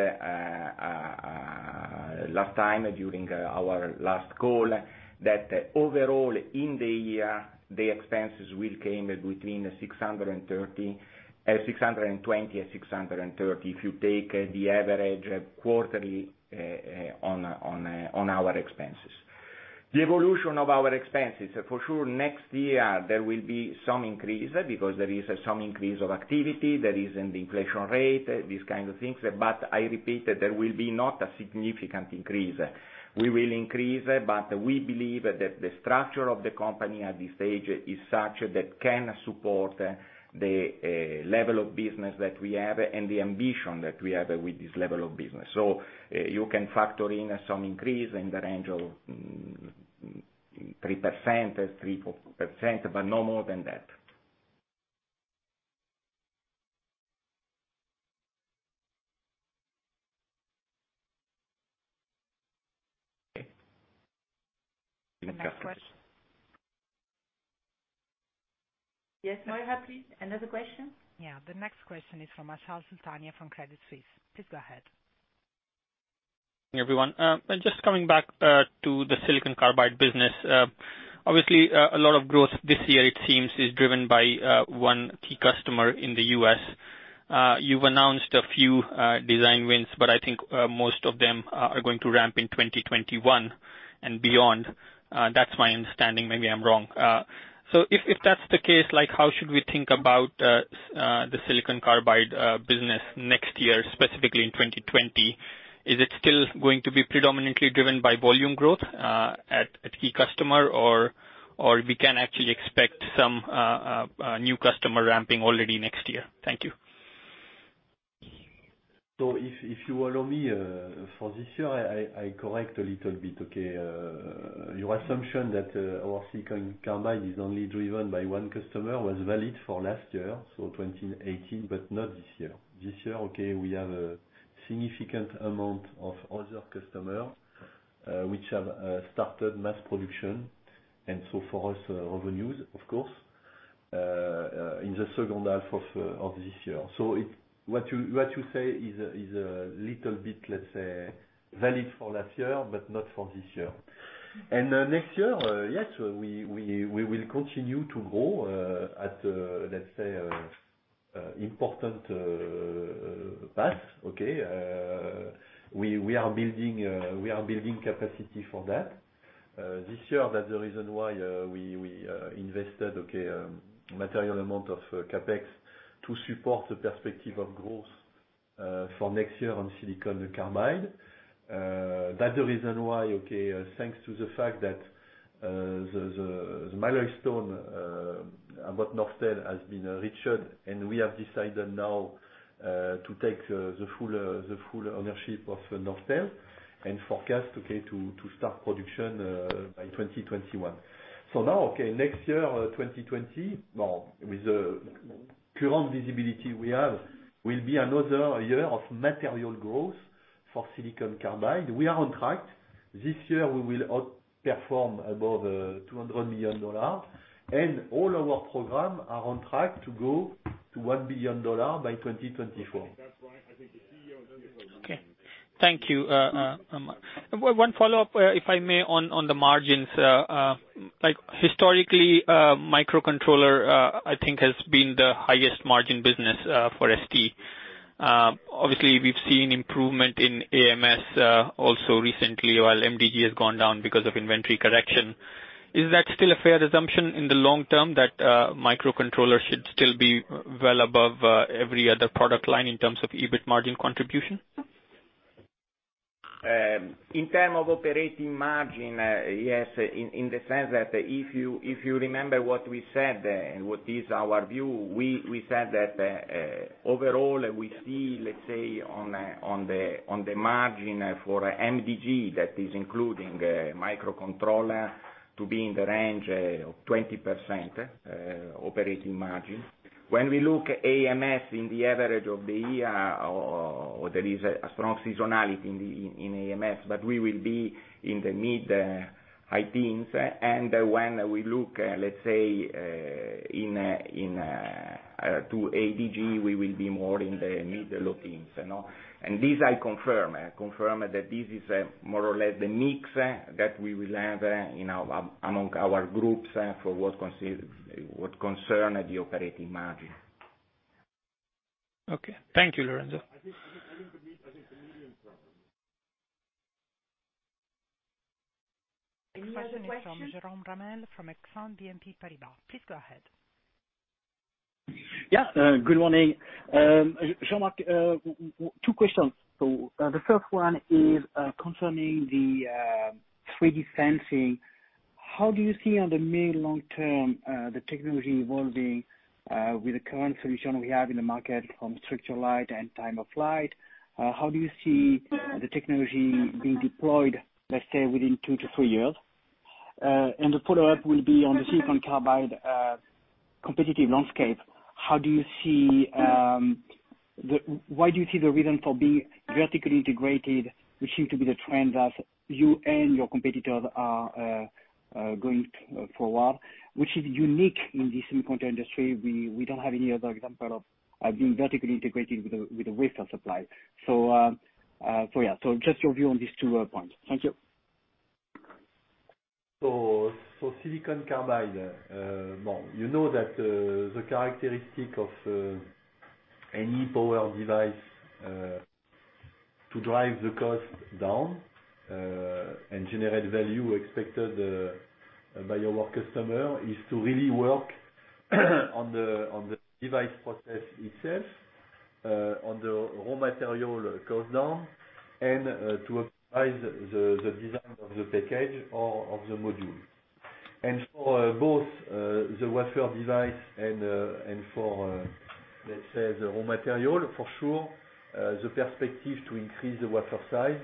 last time during our last call, that overall, in the year, the expenses will came between $620 million and $630 million, if you take the average quarterly on our expenses. The evolution of our expenses, for sure next year, there will be some increase because there is some increase of activity, there is in the inflation rate, these kinds of things. I repeat, there will be not a significant increase. We will increase, but we believe that the structure of the company at this stage is such that can support the level of business that we have and the ambition that we have with this level of business. You can factor in some increase in the range of 3% but no more than that. Okay. Any next questions? Next question. Yes, Maria, please. Another question. Yeah. The next question is from Achal Sultania from Credit Suisse. Please go ahead. Everyone. Just coming back to the silicon carbide business. Obviously, a lot of growth this year, it seems, is driven by one key customer in the U.S. I think most of them are going to ramp in 2021 and beyond. That's my understanding. Maybe I'm wrong. If that's the case, how should we think about the silicon carbide business next year, specifically in 2020? Is it still going to be predominantly driven by volume growth, at key customer or we can actually expect some new customer ramping already next year? Thank you. If you allow me, for this year, I correct a little bit, okay? Your assumption that our silicon carbide is only driven by one customer was valid for last year, so 2018, but not this year. This year, okay, we have a significant amount of other customers, which have started mass production, and so for us, revenues, of course, in the second half of this year. What you say is a little bit, let's say, valid for last year, but not for this year. Next year, yes, we will continue to grow at, let's say, important path, okay? We are building capacity for that. This year, that's the reason why we invested, okay, material amount of CapEx to support the perspective of growth for next year on silicon carbide. That's the reason why, thanks to the fact that the milestone about Norstel has been reached, we have decided now to take the full ownership of Norstel and forecast to start production by 2021. Now, next year, 2020, now with the current visibility we have, will be another year of material growth for silicon carbide. We are on track. This year we will outperform above $200 million, all our program are on track to go to $1 billion by 2024. Okay. Thank you. One follow-up, if I may, on the margins. Historically, microcontroller I think has been the highest margin business for ST. Obviously, we've seen improvement in AMS also recently, while MDG has gone down because of inventory correction. Is that still a fair assumption in the long term, that microcontroller should still be well above every other product line in terms of EBIT margin contribution? In terms of operating margin, yes, in the sense that if you remember what we said, what is our view, we said that, overall, we see, let's say, on the margin for MDG, that is including microcontroller to be in the range of 20% operating margin. When we look AMS in the average of the year, there is a strong seasonality in AMS, but we will be in the mid-high teens. When we look, let's say, to ADG, we will be more in the mid to low teens. This I confirm. I confirm that this is more or less the mix that we will have among our groups for what concerns the operating margin. Okay. Thank you, Lorenzo. Next question is from Jérôme Ramel, from Exane BNP Paribas. Please go ahead. Yeah. Good morning. Jean-Marc, two questions. The first one is concerning the 3D sensing. How do you see on the mid-long-term, the technology evolving, with the current solution we have in the market from structured light and Time-of-Flight? How do you see the technology being deployed, let's say, within two to three years? The follow-up will be on the silicon carbide competitive landscape. Why do you see the reason for being vertically integrated, which seem to be the trend that you and your competitors are going forward, which is unique in the silicon industry. We don't have any other example of being vertically integrated with the wafer supply. Yeah. Just your view on these two points. Thank you. Silicon carbide. You know that the characteristic of any power device to drive the cost down, and generate value expected by our customer is to really work on the device process itself, on the raw material cost down, and to optimize the design of the package or of the module. For both the wafer device and for, let's say, the raw material, for sure, the perspective to increase the wafer size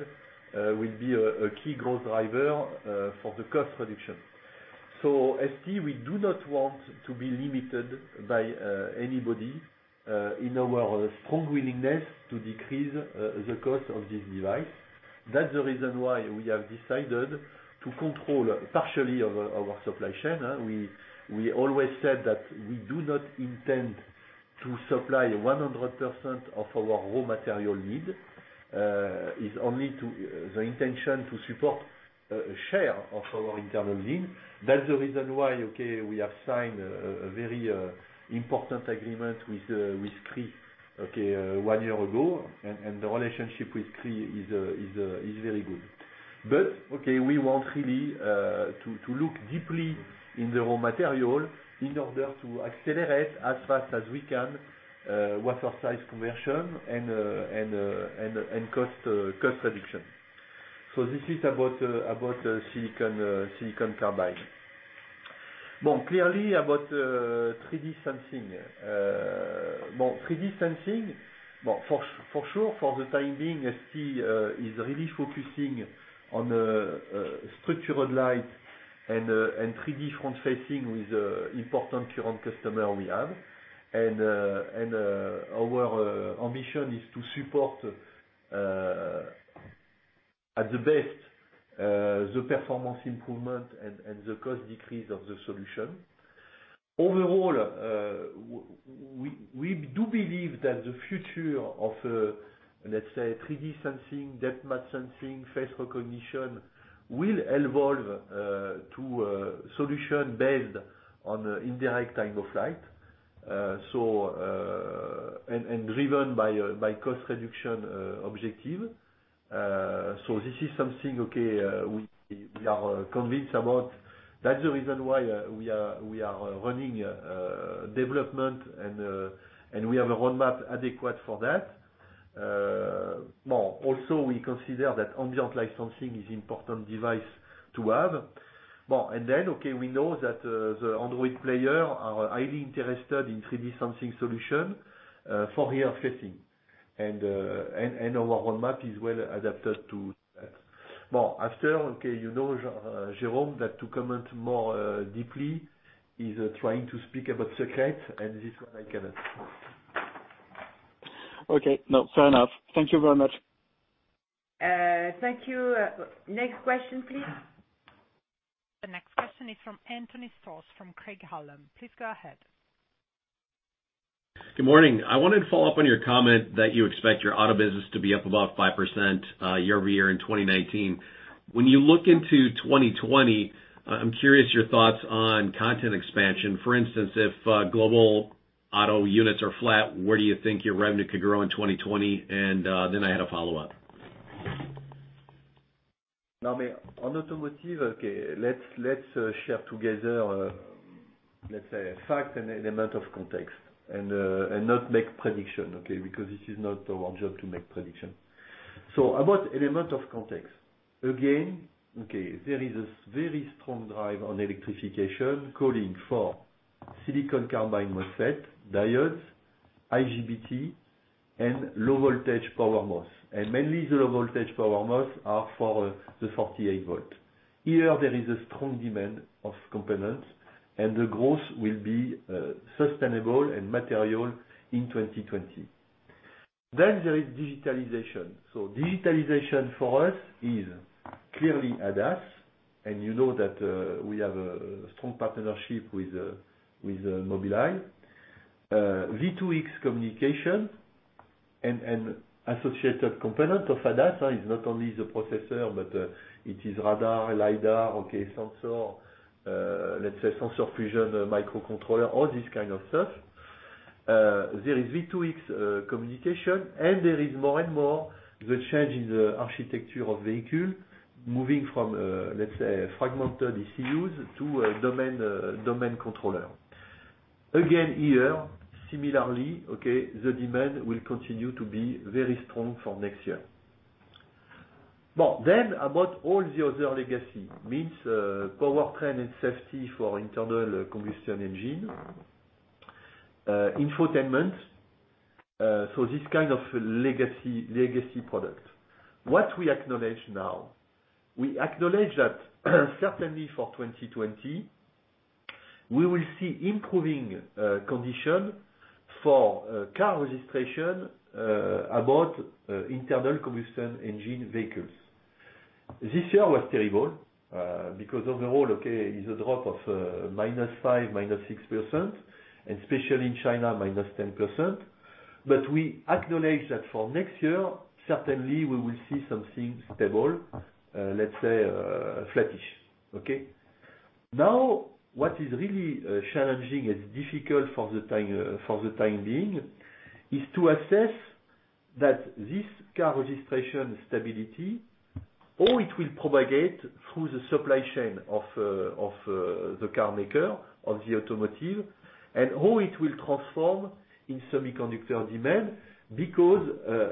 will be a key growth driver for the cost reduction. ST, we do not want to be limited by anybody in our strong willingness to decrease the cost of this device. That's the reason why we have decided to control partially our supply chain. We always said that we do not intend to supply 100% of our raw material need. It's only the intention to support a share of our internal need. That's the reason why, okay, we have signed a very important agreement with Cree one year ago, and the relationship with Cree is very good. We want really to look deeply in the raw material in order to accelerate as fast as we can wafer size conversion and cost reduction. This is about silicon carbide. Clearly about 3D sensing. 3D sensing, for sure, for the time being, ST is really focusing on structured light and 3D front-facing with important current customer we have. Our ambition is to support at the best, the performance improvement and the cost decrease of the solution. Overall, we do believe that the future of, let's say, 3D sensing, depth map sensing, face recognition, will evolve to a solution based on indirect time of flight, and driven by cost reduction objective. This is something, okay, we are convinced about. That's the reason why we are running development and we have a roadmap adequate for that. We consider that ambient light sensing is important device to have. Okay, we know that the Android player are highly interested in 3D sensing solution for rear facing, and our roadmap is well adapted to that. Okay, you know, Jérôme, that to comment more deeply is trying to speak about secret, and this one I cannot. Okay. No, fair enough. Thank you very much. Thank you. Next question, please. The next question is from Anthony Stoss from Craig-Hallum. Please go ahead. Good morning. I wanted to follow up on your comment that you expect your auto business to be up about 5% year-over-year in 2019. When you look into 2020, I'm curious your thoughts on content expansion. For instance, if global auto units are flat, where do you think your revenue could grow in 2020? I had a follow-up. On automotive, okay, let's share together, let's say fact and element of context and not make prediction, okay, because this is not our job to make prediction. About element of context. Again, okay, there is a very strong drive on electrification calling for silicon carbide MOSFET, diodes, IGBT, and low voltage PowerMOS. Mainly the low voltage PowerMOS are for the 48 volt. Here there is a strong demand of components and the growth will be sustainable and material in 2020. There is digitalization. Digitalization for us is clearly ADAS, and you know that we have a strong partnership with Mobileye. V2X communication and associated component of ADAS. It's not only the processor, but it is radar, LiDAR, okay, sensor, let's say sensor fusion, microcontroller, all this kind of stuff. There is V2X communication, and there is more and more the change in the architecture of vehicle moving from, let's say, fragmented ECUs to domain controller. Again, here, similarly, okay, the demand will continue to be very strong for next year. About all the other legacy. Means powertrain and safety for internal combustion engine, infotainment, so this kind of legacy product. What we acknowledge now, we acknowledge that certainly for 2020, we will see improving condition for car registration about internal combustion engine vehicles. This year was terrible, because overall, okay, is a drop of -5%, -6%, and especially in China, -10%. We acknowledge that for next year, certainly we will see something stable, let's say flattish. Okay? What is really challenging and difficult for the time being, is to assess that this car registration stability, how it will propagate through the supply chain of the car maker, of the automotive, and how it will transform in semiconductor demand because,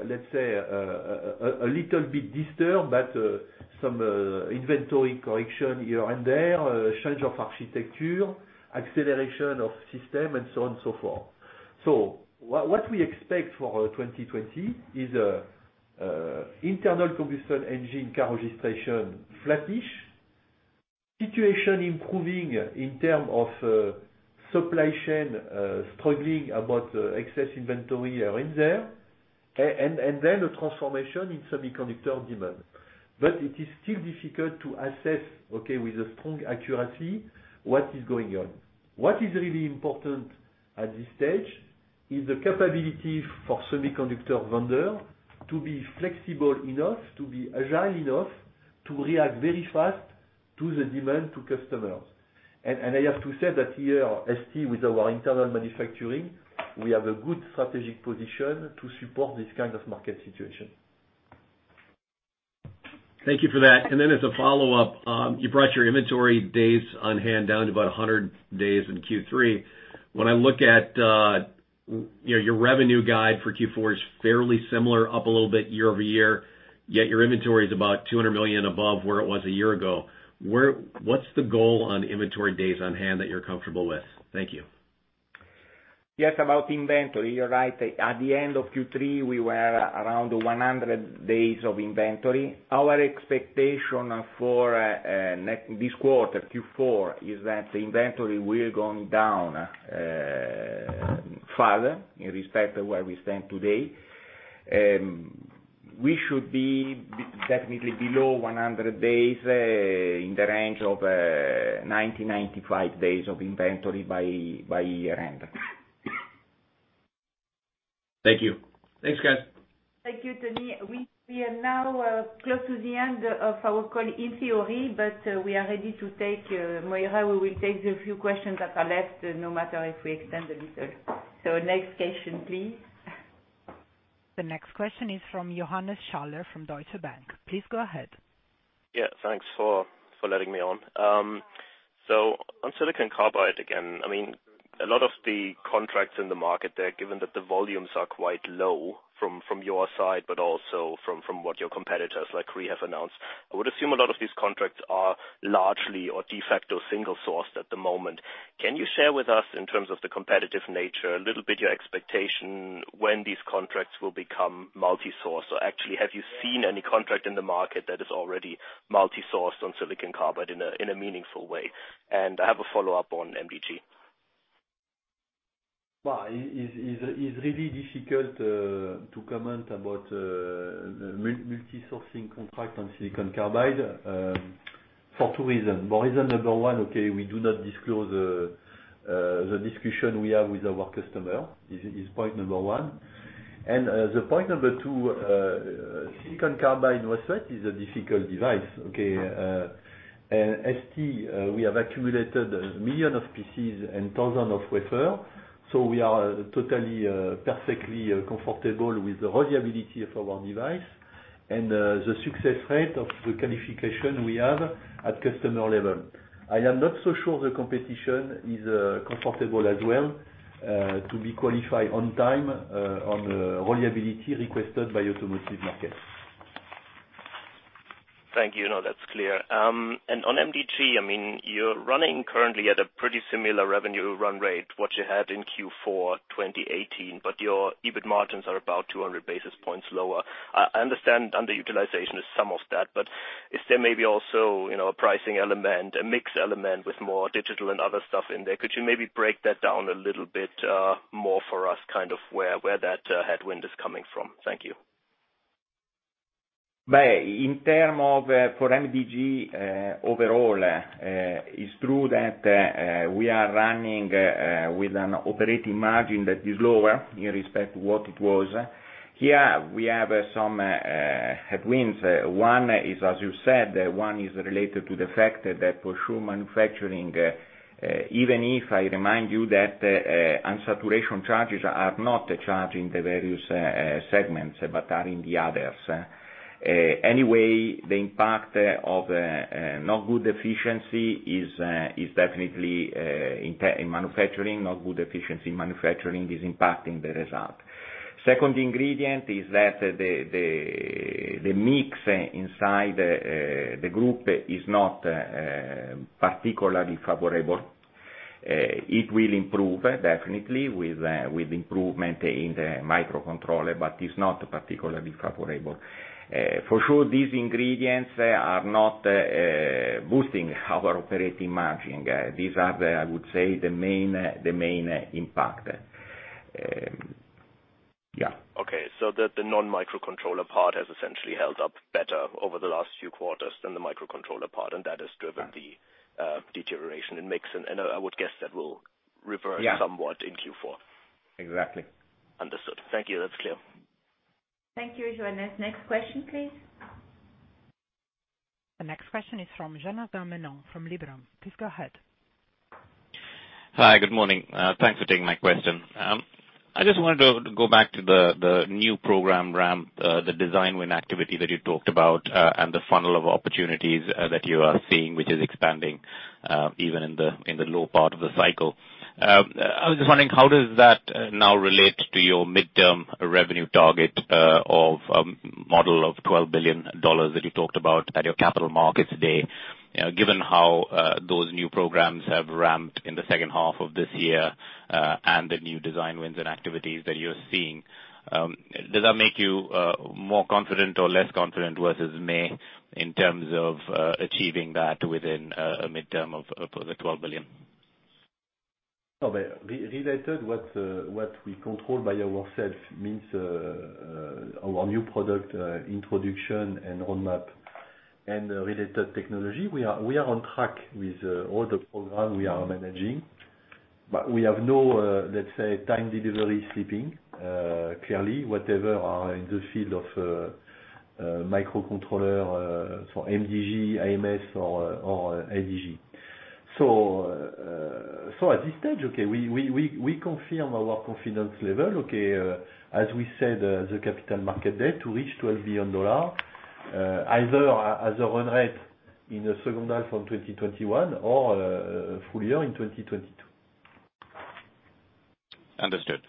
let's say, a little bit disturbed, but some inventory correction here and there, change of architecture, acceleration of system, and so on and so forth. What we expect for 2020 is Internal combustion engine car registration flattish. Situation improving in terms of supply chain, struggling about excess inventory here and there. A transformation in semiconductor demand. It is still difficult to assess, okay, with a strong accuracy what is going on. What is really important at this stage is the capability for semiconductor vendor to be flexible enough, to be agile enough to react very fast to the demand to customers. I have to say that here, ST, with our internal manufacturing, we have a good strategic position to support this kind of market situation. Thank you for that. As a follow-up, you brought your inventory days on hand down to about 100 days in Q3. When I look at your revenue guide for Q4 is fairly similar, up a little bit year-over-year, yet your inventory is about $200 million above where it was a year ago. What's the goal on inventory days on hand that you're comfortable with? Thank you. Yes, about inventory, you're right. At the end of Q3, we were around 100 days of inventory. Our expectation for this quarter, Q4, is that the inventory will going down further in respect to where we stand today. We should be definitely below 100 days, in the range of 90, 95 days of inventory by year end. Thank you. Thanks, guys. Thank you, Tony. We are now close to the end of our call in theory, but we are ready to take, Moira, we will take the few questions that are left, no matter if we extend a little. Next question, please. The next question is from Johannes Schaller of Deutsche Bank. Please go ahead. Yeah, thanks for letting me on. On silicon carbide again, a lot of the contracts in the market there, given that the volumes are quite low from your side, but also from what your competitors like Cree have announced. I would assume a lot of these contracts are largely or de facto single sourced at the moment. Can you share with us, in terms of the competitive nature, a little bit your expectation when these contracts will become multi-sourced? Actually, have you seen any contract in the market that is already multi-sourced on silicon carbide in a meaningful way? I have a follow-up on MDG. It's really difficult to comment about multi-sourcing contract on silicon carbide, for two reason. Reason number 1, okay, we do not disclose the discussion we have with our customer, is point number 1. The point number 2, silicon carbide is a difficult device, okay? In ST, we have accumulated million of pieces and thousand of wafer, so we are totally perfectly comfortable with the reliability of our device and the success rate of the qualification we have at customer level. I am not so sure the competition is comfortable as well, to be qualified on time on reliability requested by automotive markets. Thank you. No, that's clear. On MDG, you're running currently at a pretty similar revenue run rate, what you had in Q4 2018, but your EBIT margins are about 200 basis points lower. I understand underutilization is some of that, but is there maybe also a pricing element, a mix element with more digital and other stuff in there? Could you maybe break that down a little bit more for us, where that headwind is coming from? Thank you. In terms of, for MDG, overall, it is true that we are running with an operating margin that is lower in respect to what it was. Here, we have some headwinds. One is, as you said, one is related to the fact that for sure manufacturing, even if I remind you that unsaturation charges are not charged in the various segments, but are in the others. Anyway, the impact of not good efficiency is definitely in manufacturing. Not good efficiency in manufacturing is impacting the result. Second ingredient is that the mix inside the group is not particularly favorable. It will improve, definitely, with improvement in the microcontroller, but it is not particularly favorable. For sure, these ingredients are not boosting our operating margin. These are the, I would say, the main impact. Yeah. Okay, the non-microcontroller part has essentially held up better over the last few quarters than the microcontroller part, and that has driven the deterioration in mix. I would guess that will reverse. Yeah somewhat in Q4. Exactly. Understood. Thank you. That's clear. Thank you, Johannes. Next question, please. The next question is from Janardan Menon of Liberum. Please go ahead. Hi, good morning. Thanks for taking my question. I just wanted to go back to the new program ramp, the design win activity that you talked about, and the funnel of opportunities that you are seeing, which is expanding, even in the low part of the cycle. I was just wondering, how does that now relate to your midterm revenue target of model of $12 billion that you talked about at your capital markets day? Given how those new programs have ramped in the second half of this year and the new design wins and activities that you're seeing, does that make you more confident or less confident versus May in terms of achieving that within a midterm of the $12 billion? What we control by ourselves means our new product introduction and roadmap and related technology. We are on track with all the programs we are managing, but we have no, let's say, time delivery slipping, clearly, whatever are in the field of microcontroller, for MDG, AMS, or ADG. At this stage, we confirm our confidence level, as we said, the capital market debt to reach $12 billion, either as a run rate in the second half of 2021 or full year in 2022. Understood.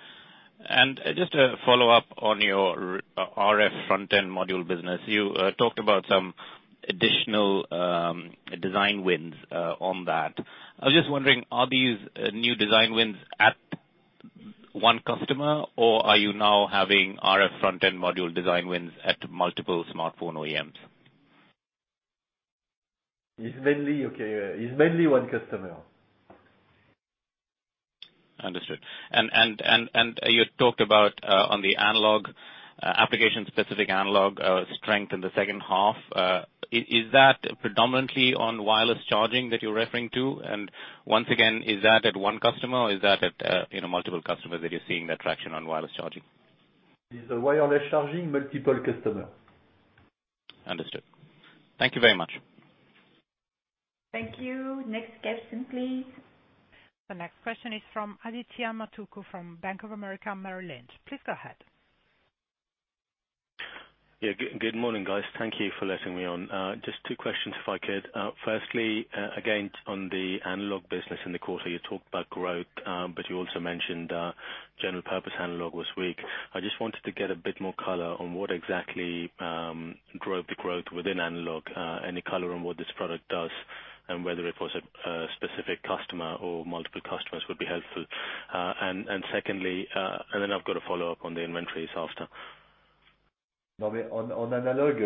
Just a follow-up on your RF front-end module business. You talked about some additional design wins on that. I was just wondering, are these new design wins at one customer, or are you now having RF front-end module design wins at multiple smartphone OEMs? It's mainly one customer. Understood. You talked about on the application-specific analog strength in the second half. Is that predominantly on wireless charging that you're referring to? Once again, is that at one customer or is that at multiple customers that you're seeing that traction on wireless charging? It's wireless charging, multiple customers. Understood. Thank you very much. Thank you. Next question, please. The next question is from Aditya Matuku from Bank of America Merrill Lynch. Please go ahead. Yeah. Good morning, guys. Thank you for letting me on. Just two questions if I could. Firstly, again, on the analog business in the quarter, you talked about growth, but you also mentioned general purpose analog was weak. I just wanted to get a bit more color on what exactly drove the growth within analog. Any color on what this product does and whether it was a specific customer or multiple customers would be helpful. I've got a follow-up on the inventories after. On analog,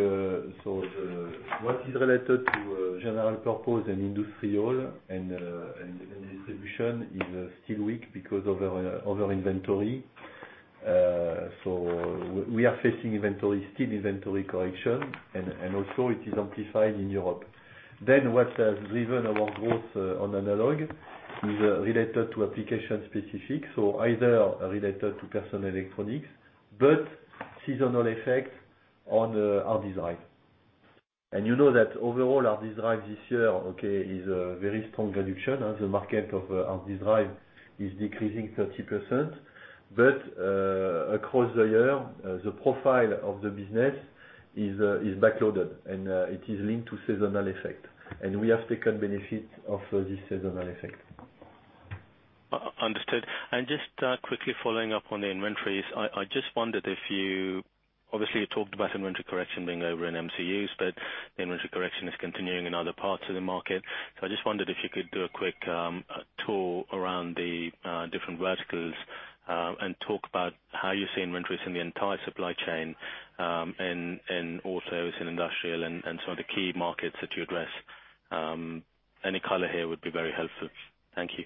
so what is related to general purpose and industrial and distribution is still weak because of over-inventory. We are facing inventory, still inventory correction, and also it is amplified in Europe. What has driven our growth on analog is related to application-specific, so either related to personal electronics, but seasonal effect on hard drive. You know that overall hard drive this year, okay, is a very strong reduction. The market of hard drive is decreasing 30%, but across the year, the profile of the business is backloaded, and it is linked to seasonal effect. We have taken benefit of this seasonal effect. Understood. Just quickly following up on the inventories, I just wondered if you obviously talked about inventory correction being over in MCUs, but the inventory correction is continuing in other parts of the market. I just wondered if you could do a quick tour around the different verticals, and talk about how you see inventories in the entire supply chain, in autos, in industrial, and some of the key markets that you address. Any color here would be very helpful. Thank you.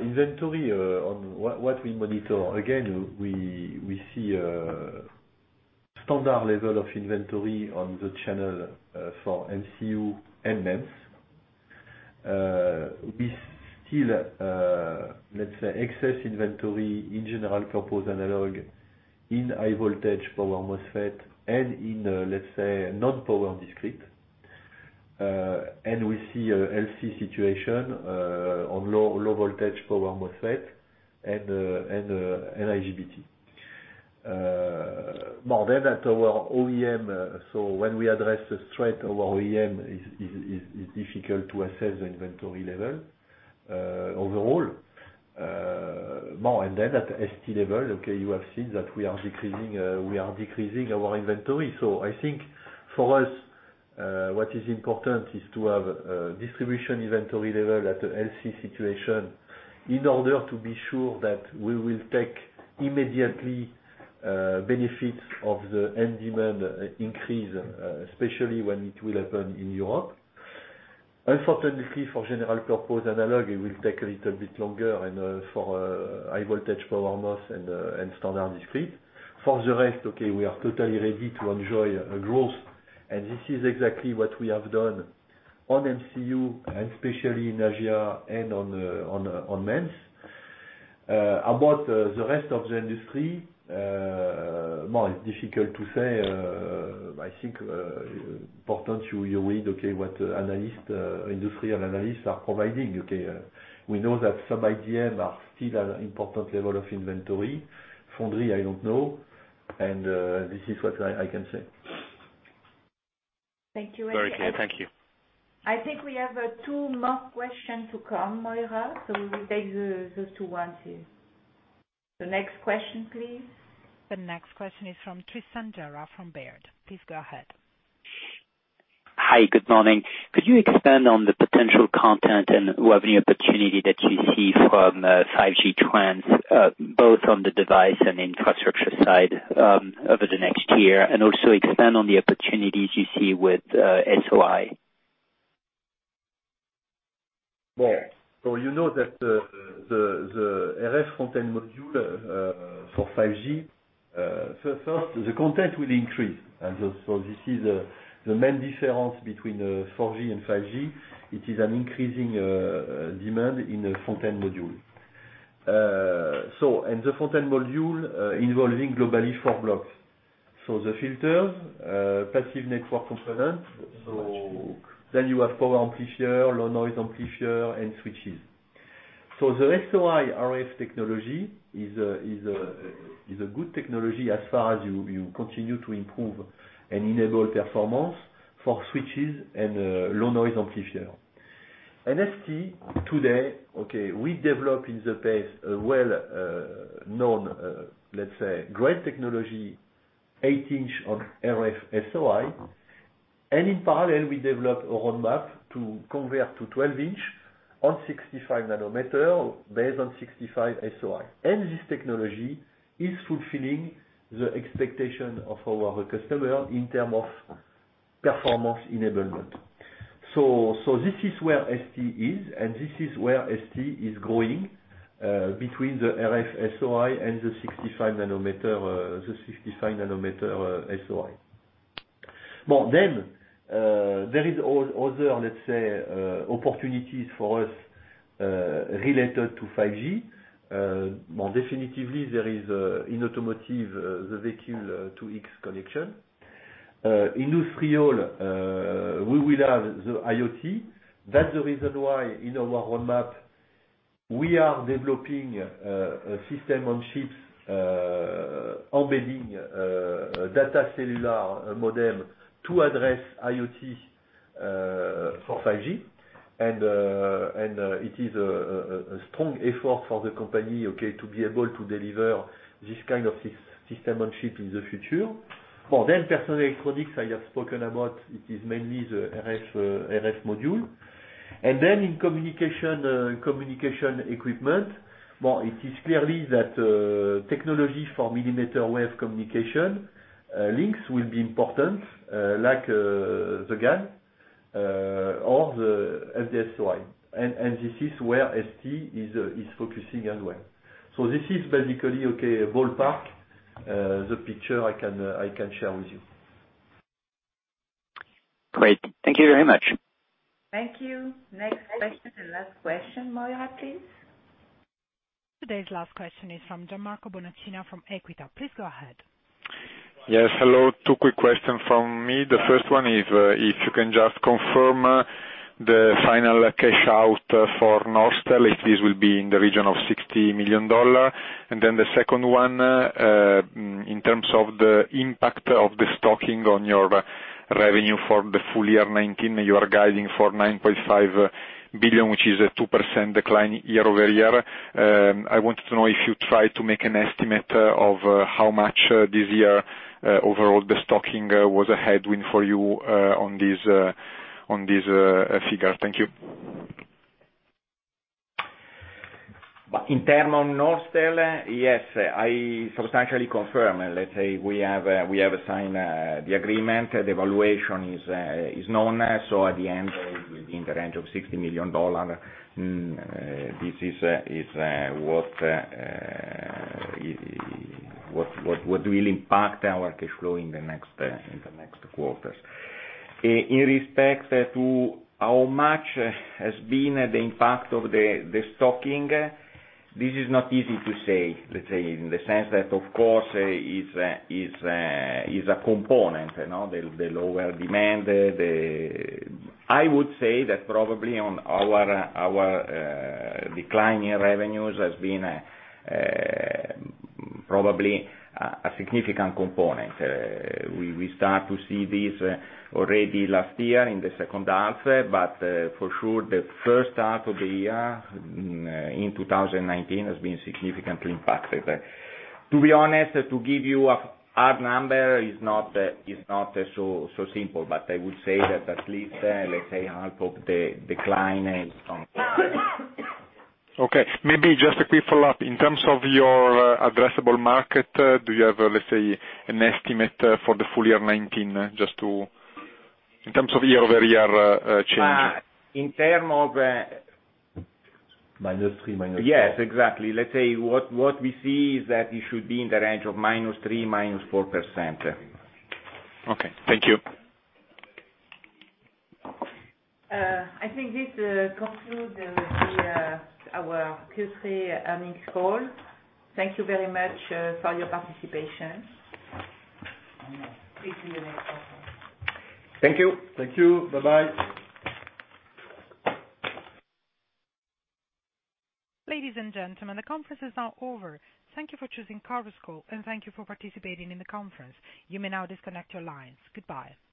Inventory, on what we monitor, again, we see a standard level of inventory on the channel for MCU and MEMS. We still, let's say, excess inventory in general purpose analog, in high voltage Power MOSFET, and in, let's say, non-power discrete. We see a healthy situation on low voltage Power MOSFET and IGBT. More then at our OEM, when we address the trend of our OEM is difficult to assess the inventory level overall. More and then at ST level, okay, you have seen that we are decreasing our inventory. I think for us, what is important is to have a distribution inventory level at a healthy situation in order to be sure that we will take immediately benefits of the end demand increase, especially when it will happen in Europe. Unfortunately, for general purpose analog, it will take a little bit longer, and for high voltage Power MOS and standard discrete. For the rest, okay, we are totally ready to enjoy a growth, and this is exactly what we have done on MCU and especially in Asia and on MEMS. About the rest of the industry, more it's difficult to say. I think, important you read, okay, what industrial analysts are providing, okay. We know that some IDM are still at important level of inventory. Foundry, I don't know. This is what I can say. Thank you very much. Very clear. Thank you. I think we have two more questions to come, Moira. We will take those two ones here. The next question, please. The next question is from Tristan Gerra from Baird. Please go ahead. Hi, good morning. Could you expand on the potential content and revenue opportunity that you see from 5G trends, both on the device and infrastructure side, over the next year? Also expand on the opportunities you see with SOI. Well, you know that the RF front-end module for 5G, first, the content will increase. This is the main difference between 4G and 5G. It is an increasing demand in the front-end module. The front-end module involving globally four blocks. The filters, passive network components. You have power amplifier, low noise amplifier, and switches. The SOI RF technology is a good technology as far as you continue to improve and enable performance for switches and low noise amplifier. At ST today, we develop in the pace a well-known, let's say, great technology, eight-inch on RF SOI. In parallel, we develop a roadmap to convert to 12-inch on 65 nanometer, based on 65 SOI. This technology is fulfilling the expectation of our customer in term of performance enablement. This is where ST is, and this is where ST is growing, between the RF SOI and the 65 nanometer SOI. There is other, let's say, opportunities for us, related to 5G. Definitively there is, in automotive, the vehicle to X connection. Industrial, we will have the IoT. That's the reason why in our roadmap, we are developing a system on chips, embedding data cellular modem to address IoT for 5G. It is a strong effort for the company, okay, to be able to deliver this kind of system on chip in the future. Personal electronics, I have spoken about, it is mainly the RF module. In communication equipment, well, it is clearly that technology for millimeter wave communication links will be important, like the GaN, or the FDSOI. This is where ST is focusing as well. This is basically, okay, ballpark, the picture I can share with you. Great. Thank you very much. Thank you. Next question and last question, Moira, please. Today's last question is from Gianmarco Bonacina from Equita. Please go ahead. Yes, hello. Two quick questions from me. The first one is, if you can just confirm the final cash out for Norstel, if this will be in the region of $60 million. The second one, in terms of the impact of the stocking on your revenue for the full year 2019, you are guiding for $9.5 billion, which is a 2% decline year-over-year. I wanted to know if you tried to make an estimate of how much this year, overall, the stocking was a headwind for you, on this figure. Thank you. In term of Norstel, yes, I substantially confirm. We have signed the agreement. The valuation is known. At the end, in the range of $60 million, this is what will impact our cash flow in the next quarters. In respect to how much has been the impact of the stocking, this is not easy to say, let's say, in the sense that, of course, is a component, the lower demand. I would say that probably on our declining revenues has been probably a significant component. We start to see this already last year in the second half. For sure, the first half of the year in 2019 has been significantly impacted. To be honest, to give you a hard number is not so simple, I would say that at least, let's say, half of the decline is from. Okay, maybe just a quick follow-up. In terms of your addressable market, do you have, let's say, an estimate for the full year 2019, in terms of year-over-year change? In term of- Minus three, minus four. Yes, exactly. Let's say what we see is that it should be in the range of minus three, minus 4%. Okay. Thank you. I think this conclude our Q3 earnings call. Thank you very much for your participation. Speak to you next quarter. Thank you. Thank you. Bye-bye. Ladies and gentlemen, the conference is now over. Thank you for choosing Conference Call, and thank you for participating in the conference. You may now disconnect your lines. Goodbye.